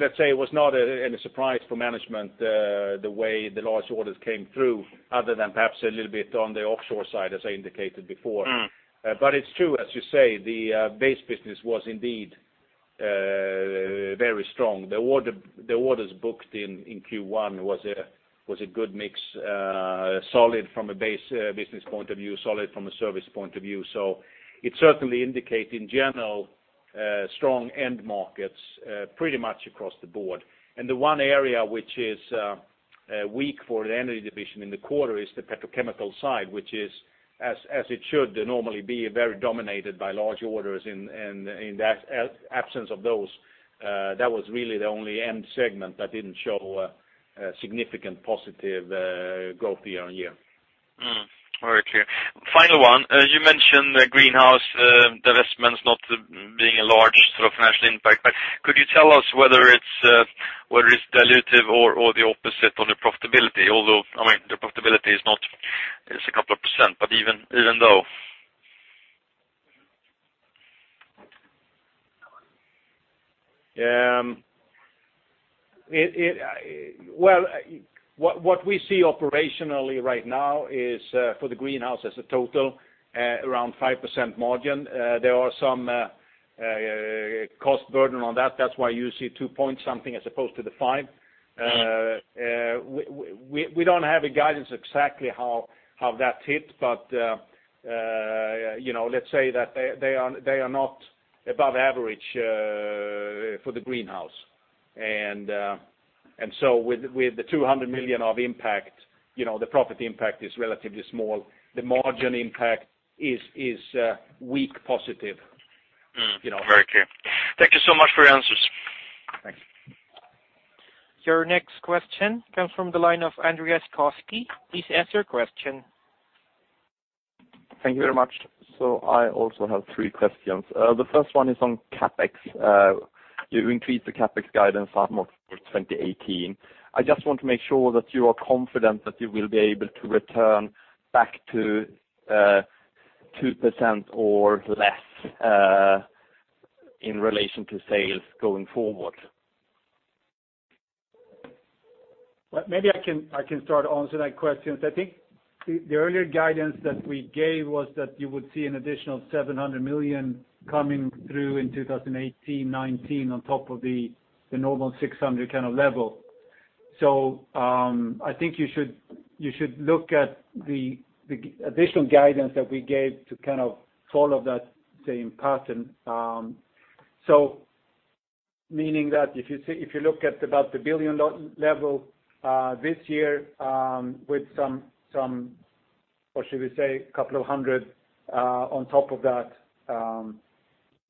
Let's say it was not any surprise for management the way the large orders came through, other than perhaps a little bit on the offshore side, as I indicated before. It's true, as you say, the base business was indeed very strong. The orders booked in Q1 was a good mix, solid from a base business point of view, solid from a service point of view. It certainly indicates, in general, strong end markets pretty much across the board. The one area which is weak for the Energy Division in the quarter is the petrochemical side, which is as it should normally be, very dominated by large orders. In the absence of those, that was really the only end segment that didn't show a significant positive growth year-on-year. Very clear. Final one. You mentioned the Greenhouse divestments not being a large financial impact, could you tell us whether it's dilutive or the opposite on the profitability? Although, the profitability is a couple of %, even though. What we see operationally right now is for the Greenhouse as a total, around 5% margin. There are some cost burden on that. That's why you see two point something as opposed to the five. We don't have a guidance exactly how that hit, but let's say that they are not above average for the Greenhouse. With the 200 million of impact, the profit impact is relatively small. The margin impact is weak positive. Very clear. Thank you so much for your answers. Thanks. Your next question comes from the line of Andreas Koski. Please ask your question. Thank you very much. I also have three questions. The first one is on CapEx. You increased the CapEx guidance for 2018. I just want to make sure that you are confident that you will be able to return back to 2% or less in relation to sales going forward. Maybe I can start answering that question. I think the earlier guidance that we gave was that you would see an additional 700 million coming through in 2018-2019 on top of the normal 600 kind of level. I think you should look at the additional guidance that we gave to kind of follow that same pattern. Meaning that if you look at about the 1 billion level this year with some, or should we say a couple of hundred SEK on top of that,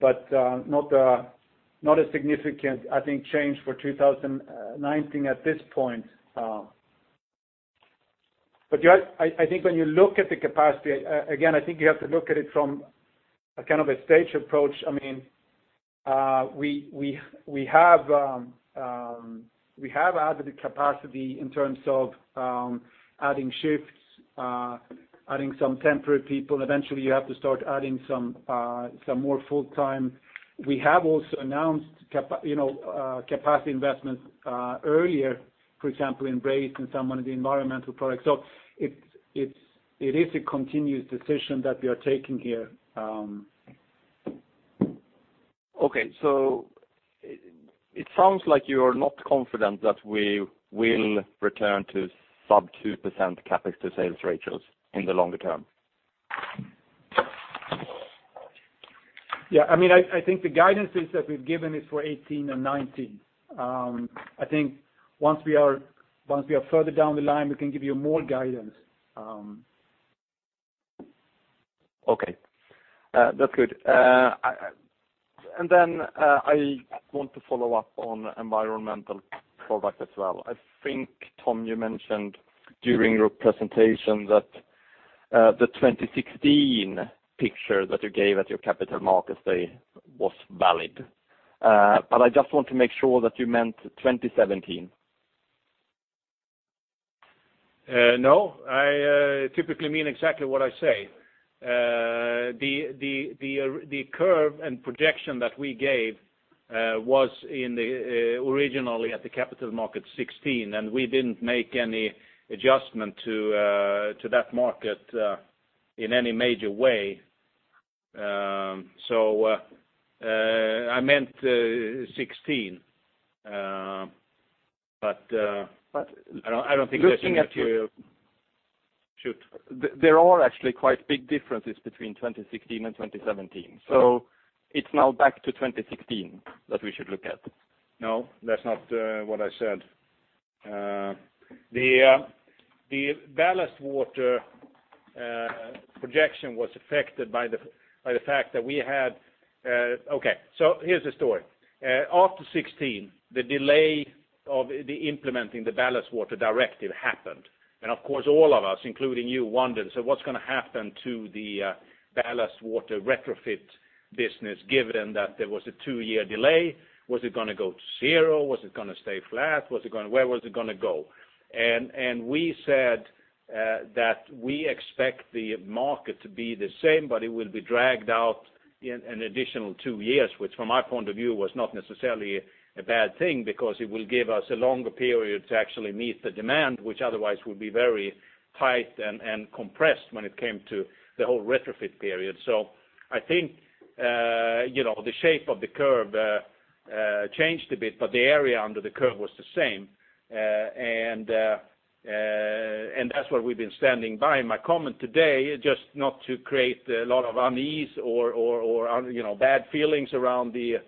but not a significant, I think, change for 2019 at this point. I think when you look at the capacity, again, I think you have to look at it from a stage approach. We have added the capacity in terms of adding shifts, adding some temporary people. Eventually, you have to start adding some more full-time. We have also announced capacity investments earlier, for example, in brazed and some of the environmental products. It is a continuous decision that we are taking here. Okay. It sounds like you are not confident that we will return to sub-2% CapEx to sales ratios in the longer term. Yeah. I think the guidance is that we've given is for 2018 and 2019. I think once we are further down the line, we can give you more guidance. Okay. That's good. I want to follow up on environmental product as well. I think, Tom, you mentioned during your presentation that the 2016 picture that you gave at your Capital Markets Day was valid. I just want to make sure that you meant 2017. No, I typically mean exactly what I say. The curve and projection that we gave was originally at the Capital Markets Day 2016, we didn't make any adjustment to that market, in any major way. I meant 2016. I don't think that's an issue. There are actually quite big differences between 2016 and 2017. It's now back to 2016 that we should look at. No, that's not what I said. The ballast water projection was affected by the fact that we had. Okay, here's the story. After 2016, the delay of implementing the Ballast Water Management Convention happened. Of course, all of us, including you, wondered, "What's going to happen to the ballast water retrofit business, given that there was a two-year delay? Was it going to go to zero? Was it going to stay flat? Where was it going to go?" We said that we expect the market to be the same, but it will be dragged out in an additional two years, which from my point of view, was not necessarily a bad thing, because it will give us a longer period to actually meet the demand, which otherwise would be very tight and compressed when it came to the whole retrofit period. I think, the shape of the curve changed a bit, but the area under the curve was the same. That's what we've been standing by. My comment today, just not to create a lot of unease or bad feelings around the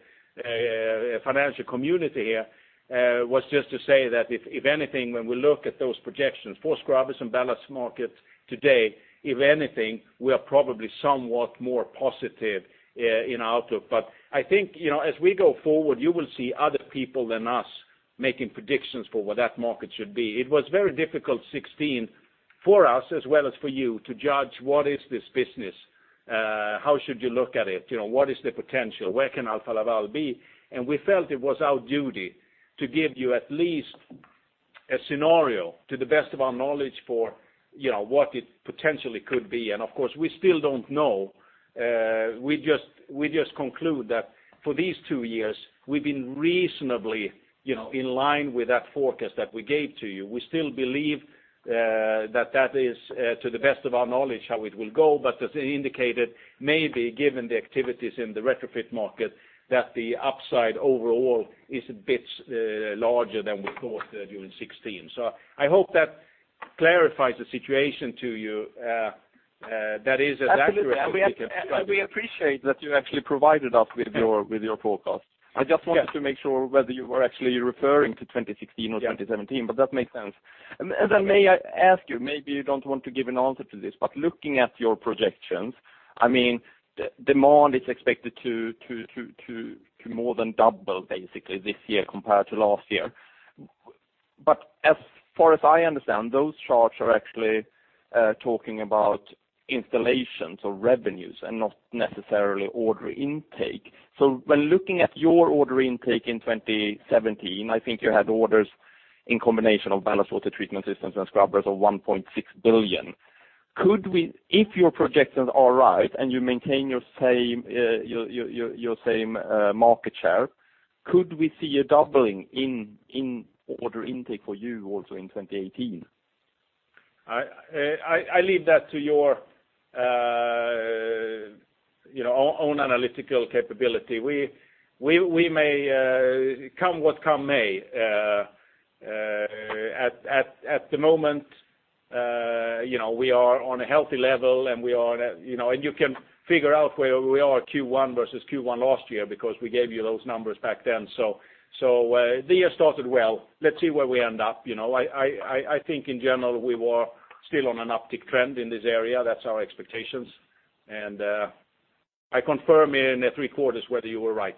financial community here, was just to say that if anything, when we look at those projections for scrubbers and ballast markets today, if anything, we are probably somewhat more positive in our outlook. I think, as we go forward, you will see other people than us making predictions for what that market should be. It was very difficult 2016 for us as well as for you to judge what is this business, how should you look at it, what is the potential, where can Alfa Laval be? We felt it was our duty to give you at least a scenario to the best of our knowledge for what it potentially could be. Of course, we still don't know. We just conclude that for these two years, we've been reasonably in line with that forecast that we gave to you. We still believe that that is, to the best of our knowledge, how it will go. As indicated, maybe given the activities in the retrofit market, that the upside overall is a bit larger than we thought during 2016. I hope that clarifies the situation to you. That is as accurate as we can provide. We appreciate that you actually provided us with your forecast. I just wanted to make sure whether you were actually referring to 2016 or 2017, that makes sense. May I ask you, maybe you don't want to give an answer to this, looking at your projections, demand is expected to more than double basically this year compared to last year. As far as I understand, those charts are actually talking about installations or revenues and not necessarily order intake. When looking at your order intake in 2017, I think you had orders in combination of ballast water treatment systems and scrubbers of 1.6 billion. If your projections are right and you maintain your same market share, could we see a doubling in order intake for you also in 2018? I leave that to your own analytical capability. Come what come may, at the moment, we are on a healthy level, you can figure out where we are Q1 versus Q1 last year, because we gave you those numbers back then. The year started well. Let's see where we end up. I think in general, we were still on an uptick trend in this area. That's our expectations, I confirm in three quarters whether you were right.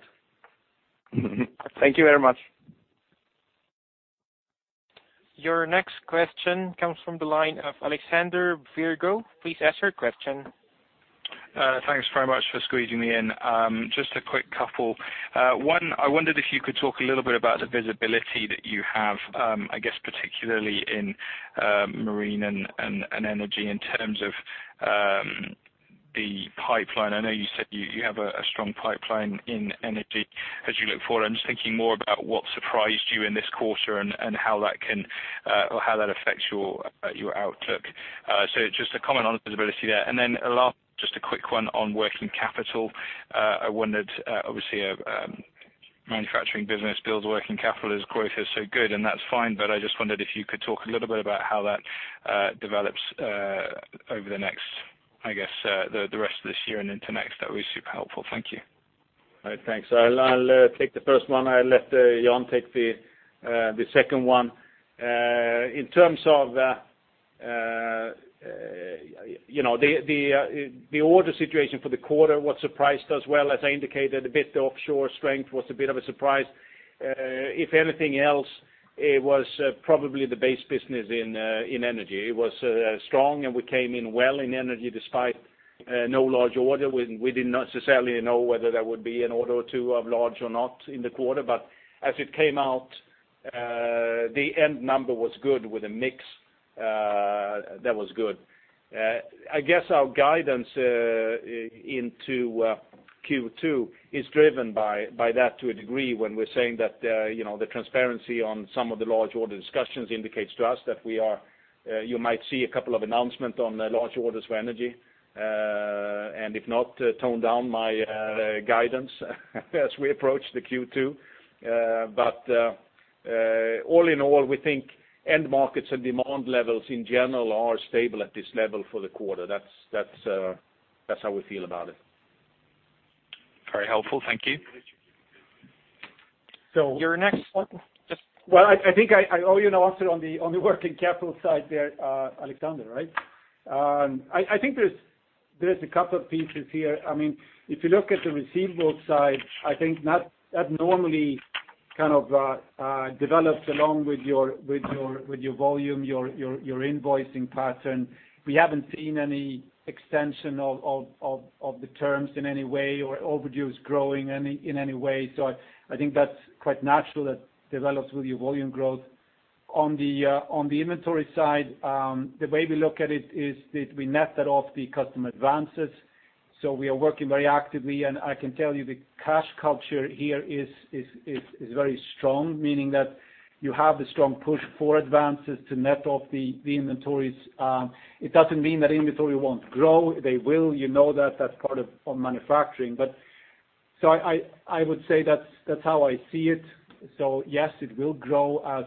Thank you very much. Your next question comes from the line of Alexander Virgo. Please ask your question. Thanks very much for squeezing me in. Just a quick couple. One, I wondered if you could talk a little bit about the visibility that you have, I guess, particularly in Marine and Energy in terms of the pipeline. I know you said you have a strong pipeline in energy as you look forward. I'm just thinking more about what surprised you in this quarter and how that affects your outlook. Just a comment on visibility there. Then a last, just a quick one on working capital. I wondered, obviously, a manufacturing business builds working capital as growth is so good, and that's fine, but I just wondered if you could talk a little bit about how that develops over the rest of this year and into next. That would be super helpful. Thank you. All right, thanks. I'll take the first one, I'll let Jan take the second one. In terms of the order situation for the quarter, what surprised us, as well as I indicated a bit, the offshore strength was a bit of a surprise. If anything else, it was probably the base business in Energy. We came in well in Energy despite no large order. As it came out, the end number was good with a mix that was good. I guess our guidance into Q2 is driven by that to a degree when we're saying that the transparency on some of the large order discussions indicates to us that you might see a couple of announcements on large orders for Energy. If not, tone down my guidance as we approach the Q2. All in all, we think end markets and demand levels in general are stable at this level for the quarter. That's how we feel about it. Very helpful. Thank you. Your next question. Well, I think I owe you an answer on the working capital side there, Alexander, right? I think there's a couple of pieces here. If you look at the receivables side, I think not abnormally developed along with your volume, your invoicing pattern. We haven't seen any extension of the terms in any way or overdues growing in any way. I think that's quite natural, that develops with your volume growth. On the inventory side, the way we look at it is that we net that off the customer advances. We are working very actively, and I can tell you the cash culture here is very strong, meaning that you have the strong push for advances to net off the inventories. It doesn't mean that inventory won't grow. They will, you know that's part of manufacturing. I would say that's how I see it. Yes, it will grow as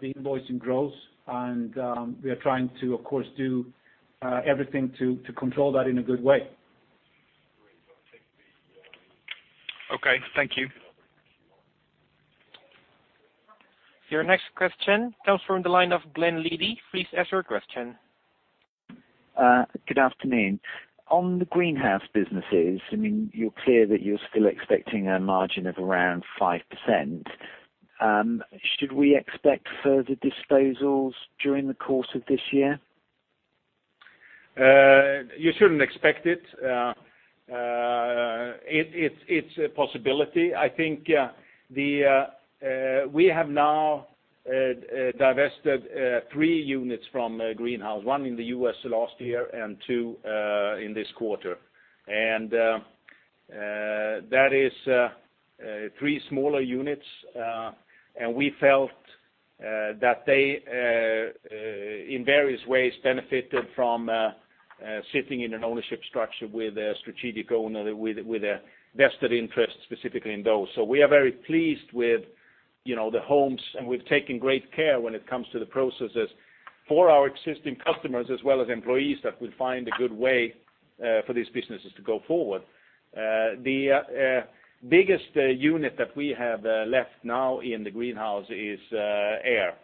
the invoicing grows, and we are trying to, of course, do everything to control that in a good way. Okay. Thank you. Your next question comes from the line of Glen Leedy. Please ask your question. Good afternoon. On the Greenhouse businesses, you're clear that you're still expecting a margin of around 5%. Should we expect further disposals during the course of this year? You shouldn't expect it. It's a possibility. I think we have now divested three units from Greenhouse, one in the U.S. last year and two in this quarter. That is three smaller units, and we felt that they, in various ways, benefited from sitting in an ownership structure with a strategic owner with a vested interest specifically in those. We are very pleased with the homes, and we've taken great care when it comes to the processes for our existing customers as well as employees that we'll find a good way for these businesses to go forward. The biggest unit that we have left now in the Greenhouse is Air.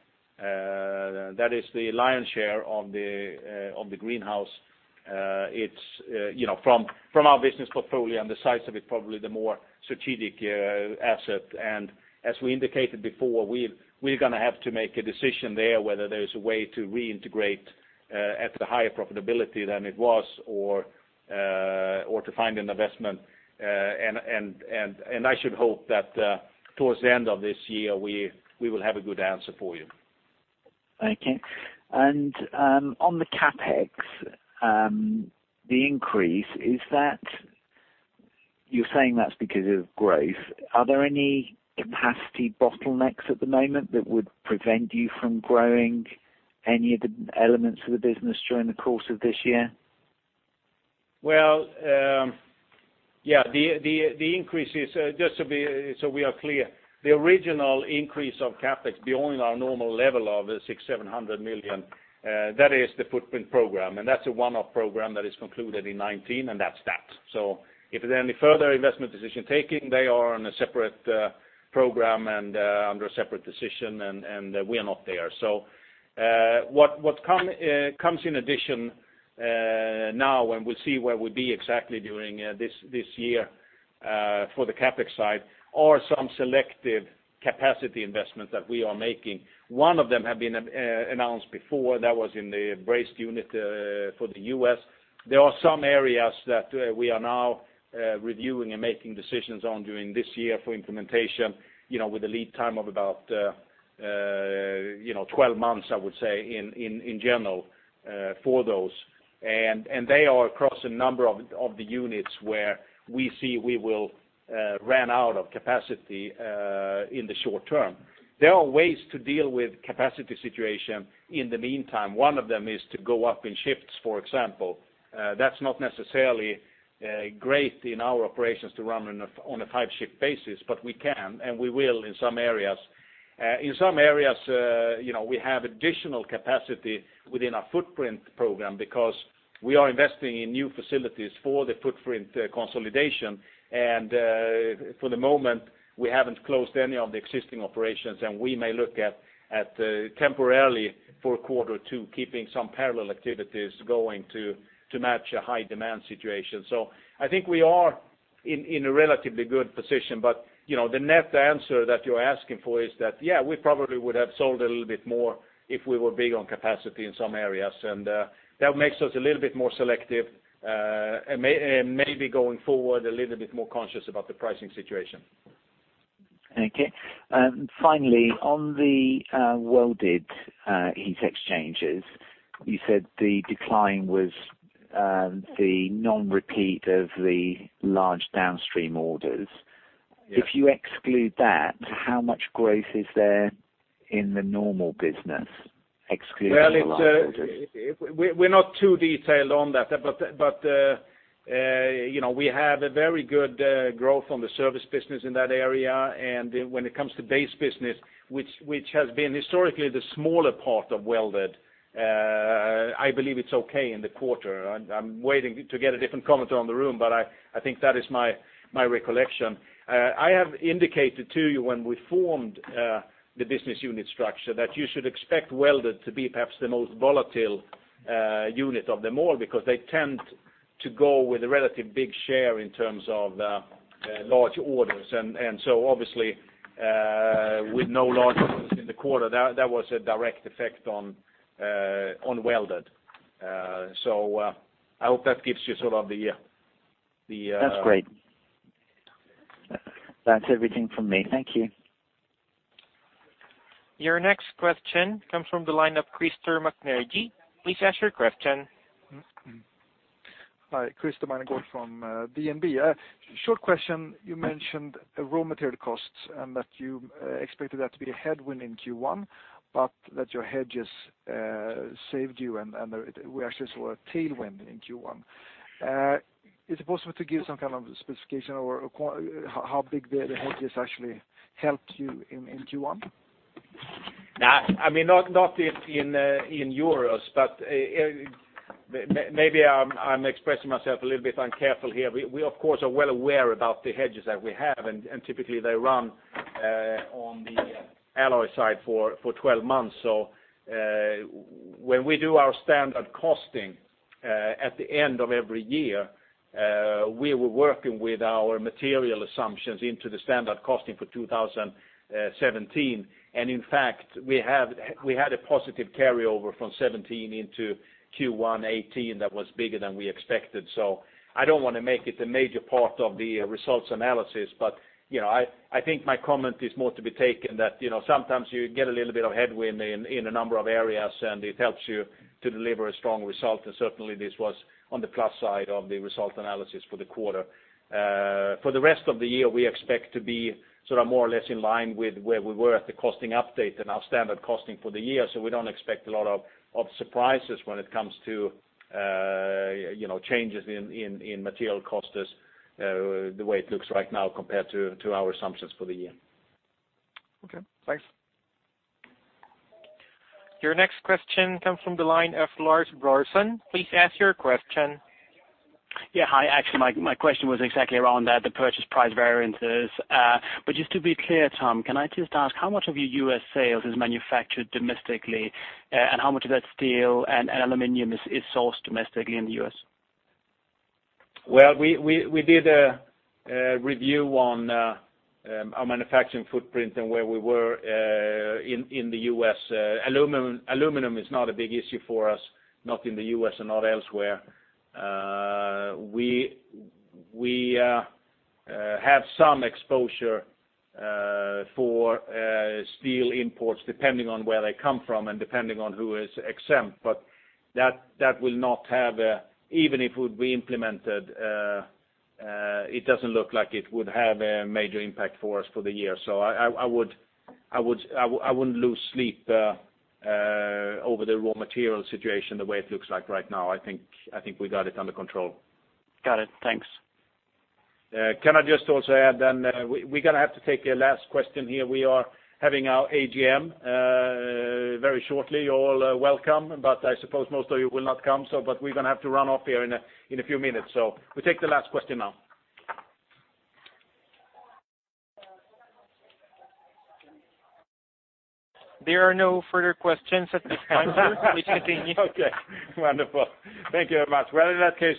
That is the lion's share of the Greenhouse. From our business portfolio and the size of it, probably the more strategic asset. As we indicated before, we're going to have to make a decision there whether there's a way to reintegrate at a higher profitability than it was or to find an investment. I should hope that towards the end of this year, we will have a good answer for you. Thank you. On the CapEx, the increase, you're saying that's because of growth. Are there any capacity bottlenecks at the moment that would prevent you from growing any of the elements of the business during the course of this year? Well, yeah. Just so we are clear, the original increase of CapEx beyond our normal level of 600 million-700 million, that is the Footprint Program, and that's a one-off program that is concluded in 2019, and that's that. If there are any further investment decision taking, they are on a separate- Program and under a separate decision, and we are not there. What comes in addition now, and we'll see where we'll be exactly during this year, for the CapEx side are some selected capacity investments that we are making. One of them have been announced before. That was in the brazed unit, for the U.S. There are some areas that we are now reviewing and making decisions on during this year for implementation, with a lead time of about 12 months, I would say in general, for those. They are across a number of the units where we see we will run out of capacity in the short term. There are ways to deal with capacity situation in the meantime. One of them is to go up in shifts, for example. That's not necessarily great in our operations to run on a five-shift basis, but we can, and we will in some areas. In some areas, we have additional capacity within our Footprint Program because we are investing in new facilities for the footprint consolidation. For the moment, we haven't closed any of the existing operations, and we may look at temporarily for quarter two, keeping some parallel activities going to match a high-demand situation. I think we are in a relatively good position, but the net answer that you're asking for is that, yeah, we probably would have sold a little bit more if we were big on capacity in some areas. That makes us a little bit more selective, and maybe going forward, a little bit more conscious about the pricing situation. Okay. Finally, on the welded heat exchangers, you said the decline was the non-repeat of the large downstream orders. Yeah. If you exclude that, how much growth is there in the normal business, excluding the large orders? We're not too detailed on that, but we have a very good growth on the service business in that area. When it comes to base business, which has been historically the smaller part of welded, I believe it's okay in the quarter. I'm waiting to get a different comment on the room, but I think that is my recollection. I have indicated to you when we formed the business unit structure that you should expect welded to be perhaps the most volatile unit of them all because they tend to go with a relative big share in terms of large orders. Obviously, with no large orders in the quarter, that was a direct effect on welded. I hope that gives you sort of the. That's great. That's everything from me. Thank you. Your next question comes from the line of Krister Maneej. Please ask your question. Hi. Krister Maneej from DNB. Short question. You mentioned raw material costs and that you expected that to be a headwind in Q1, but that your hedges saved you. We actually saw a tailwind in Q1. Is it possible to give some kind of specification or how big the hedges actually helped you in Q1? Not in EUR, but maybe I'm expressing myself a little bit careless here. We, of course, are well aware about the hedges that we have. Typically they run on the alloy side for 12 months. When we do our standard costing, at the end of every year, we were working with our material assumptions into the standard costing for 2017. In fact, we had a positive carryover from 2017 into Q1 2018 that was bigger than we expected. I don't want to make it a major part of the results analysis. I think my comment is more to be taken that sometimes you get a little bit of headwind in a number of areas. It helps you to deliver a strong result. Certainly this was on the plus side of the result analysis for the quarter. For the rest of the year, we expect to be more or less in line with where we were at the costing update and our standard costing for the year. We don't expect a lot of surprises when it comes to changes in material costs as the way it looks right now compared to our assumptions for the year. Okay, thanks. Your next question comes from the line of Lars Brorsson. Please ask your question. Yeah. Hi. Actually, my question was exactly around that, the purchase price variances. Just to be clear, Tom, can I just ask how much of your U.S. sales is manufactured domestically, and how much of that steel and aluminum is sourced domestically in the U.S.? Well, we did a review on our manufacturing footprint and where we were in the U.S. Aluminum is not a big issue for us, not in the U.S. and not elsewhere. We have some exposure for steel imports, depending on where they come from and depending on who is exempt. That will not have a-- Even if it would be implemented, it doesn't look like it would have a major impact for us for the year. I wouldn't lose sleep over the raw material situation the way it looks like right now. I think we got it under control. Got it. Thanks. Can I just also add, we're going to have to take a last question here. We are having our AGM very shortly. You're all welcome, but I suppose most of you will not come. We're going to have to run off here in a few minutes, so we'll take the last question now. There are no further questions at this time, sir. We thank you. Okay, wonderful. Thank you very much. Well, in that case,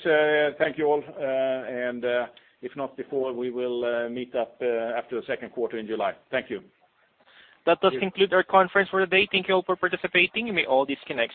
thank you all, and if not before, we will meet up after the second quarter in July. Thank you. That does conclude our conference for the day. Thank you all for participating. You may all disconnect.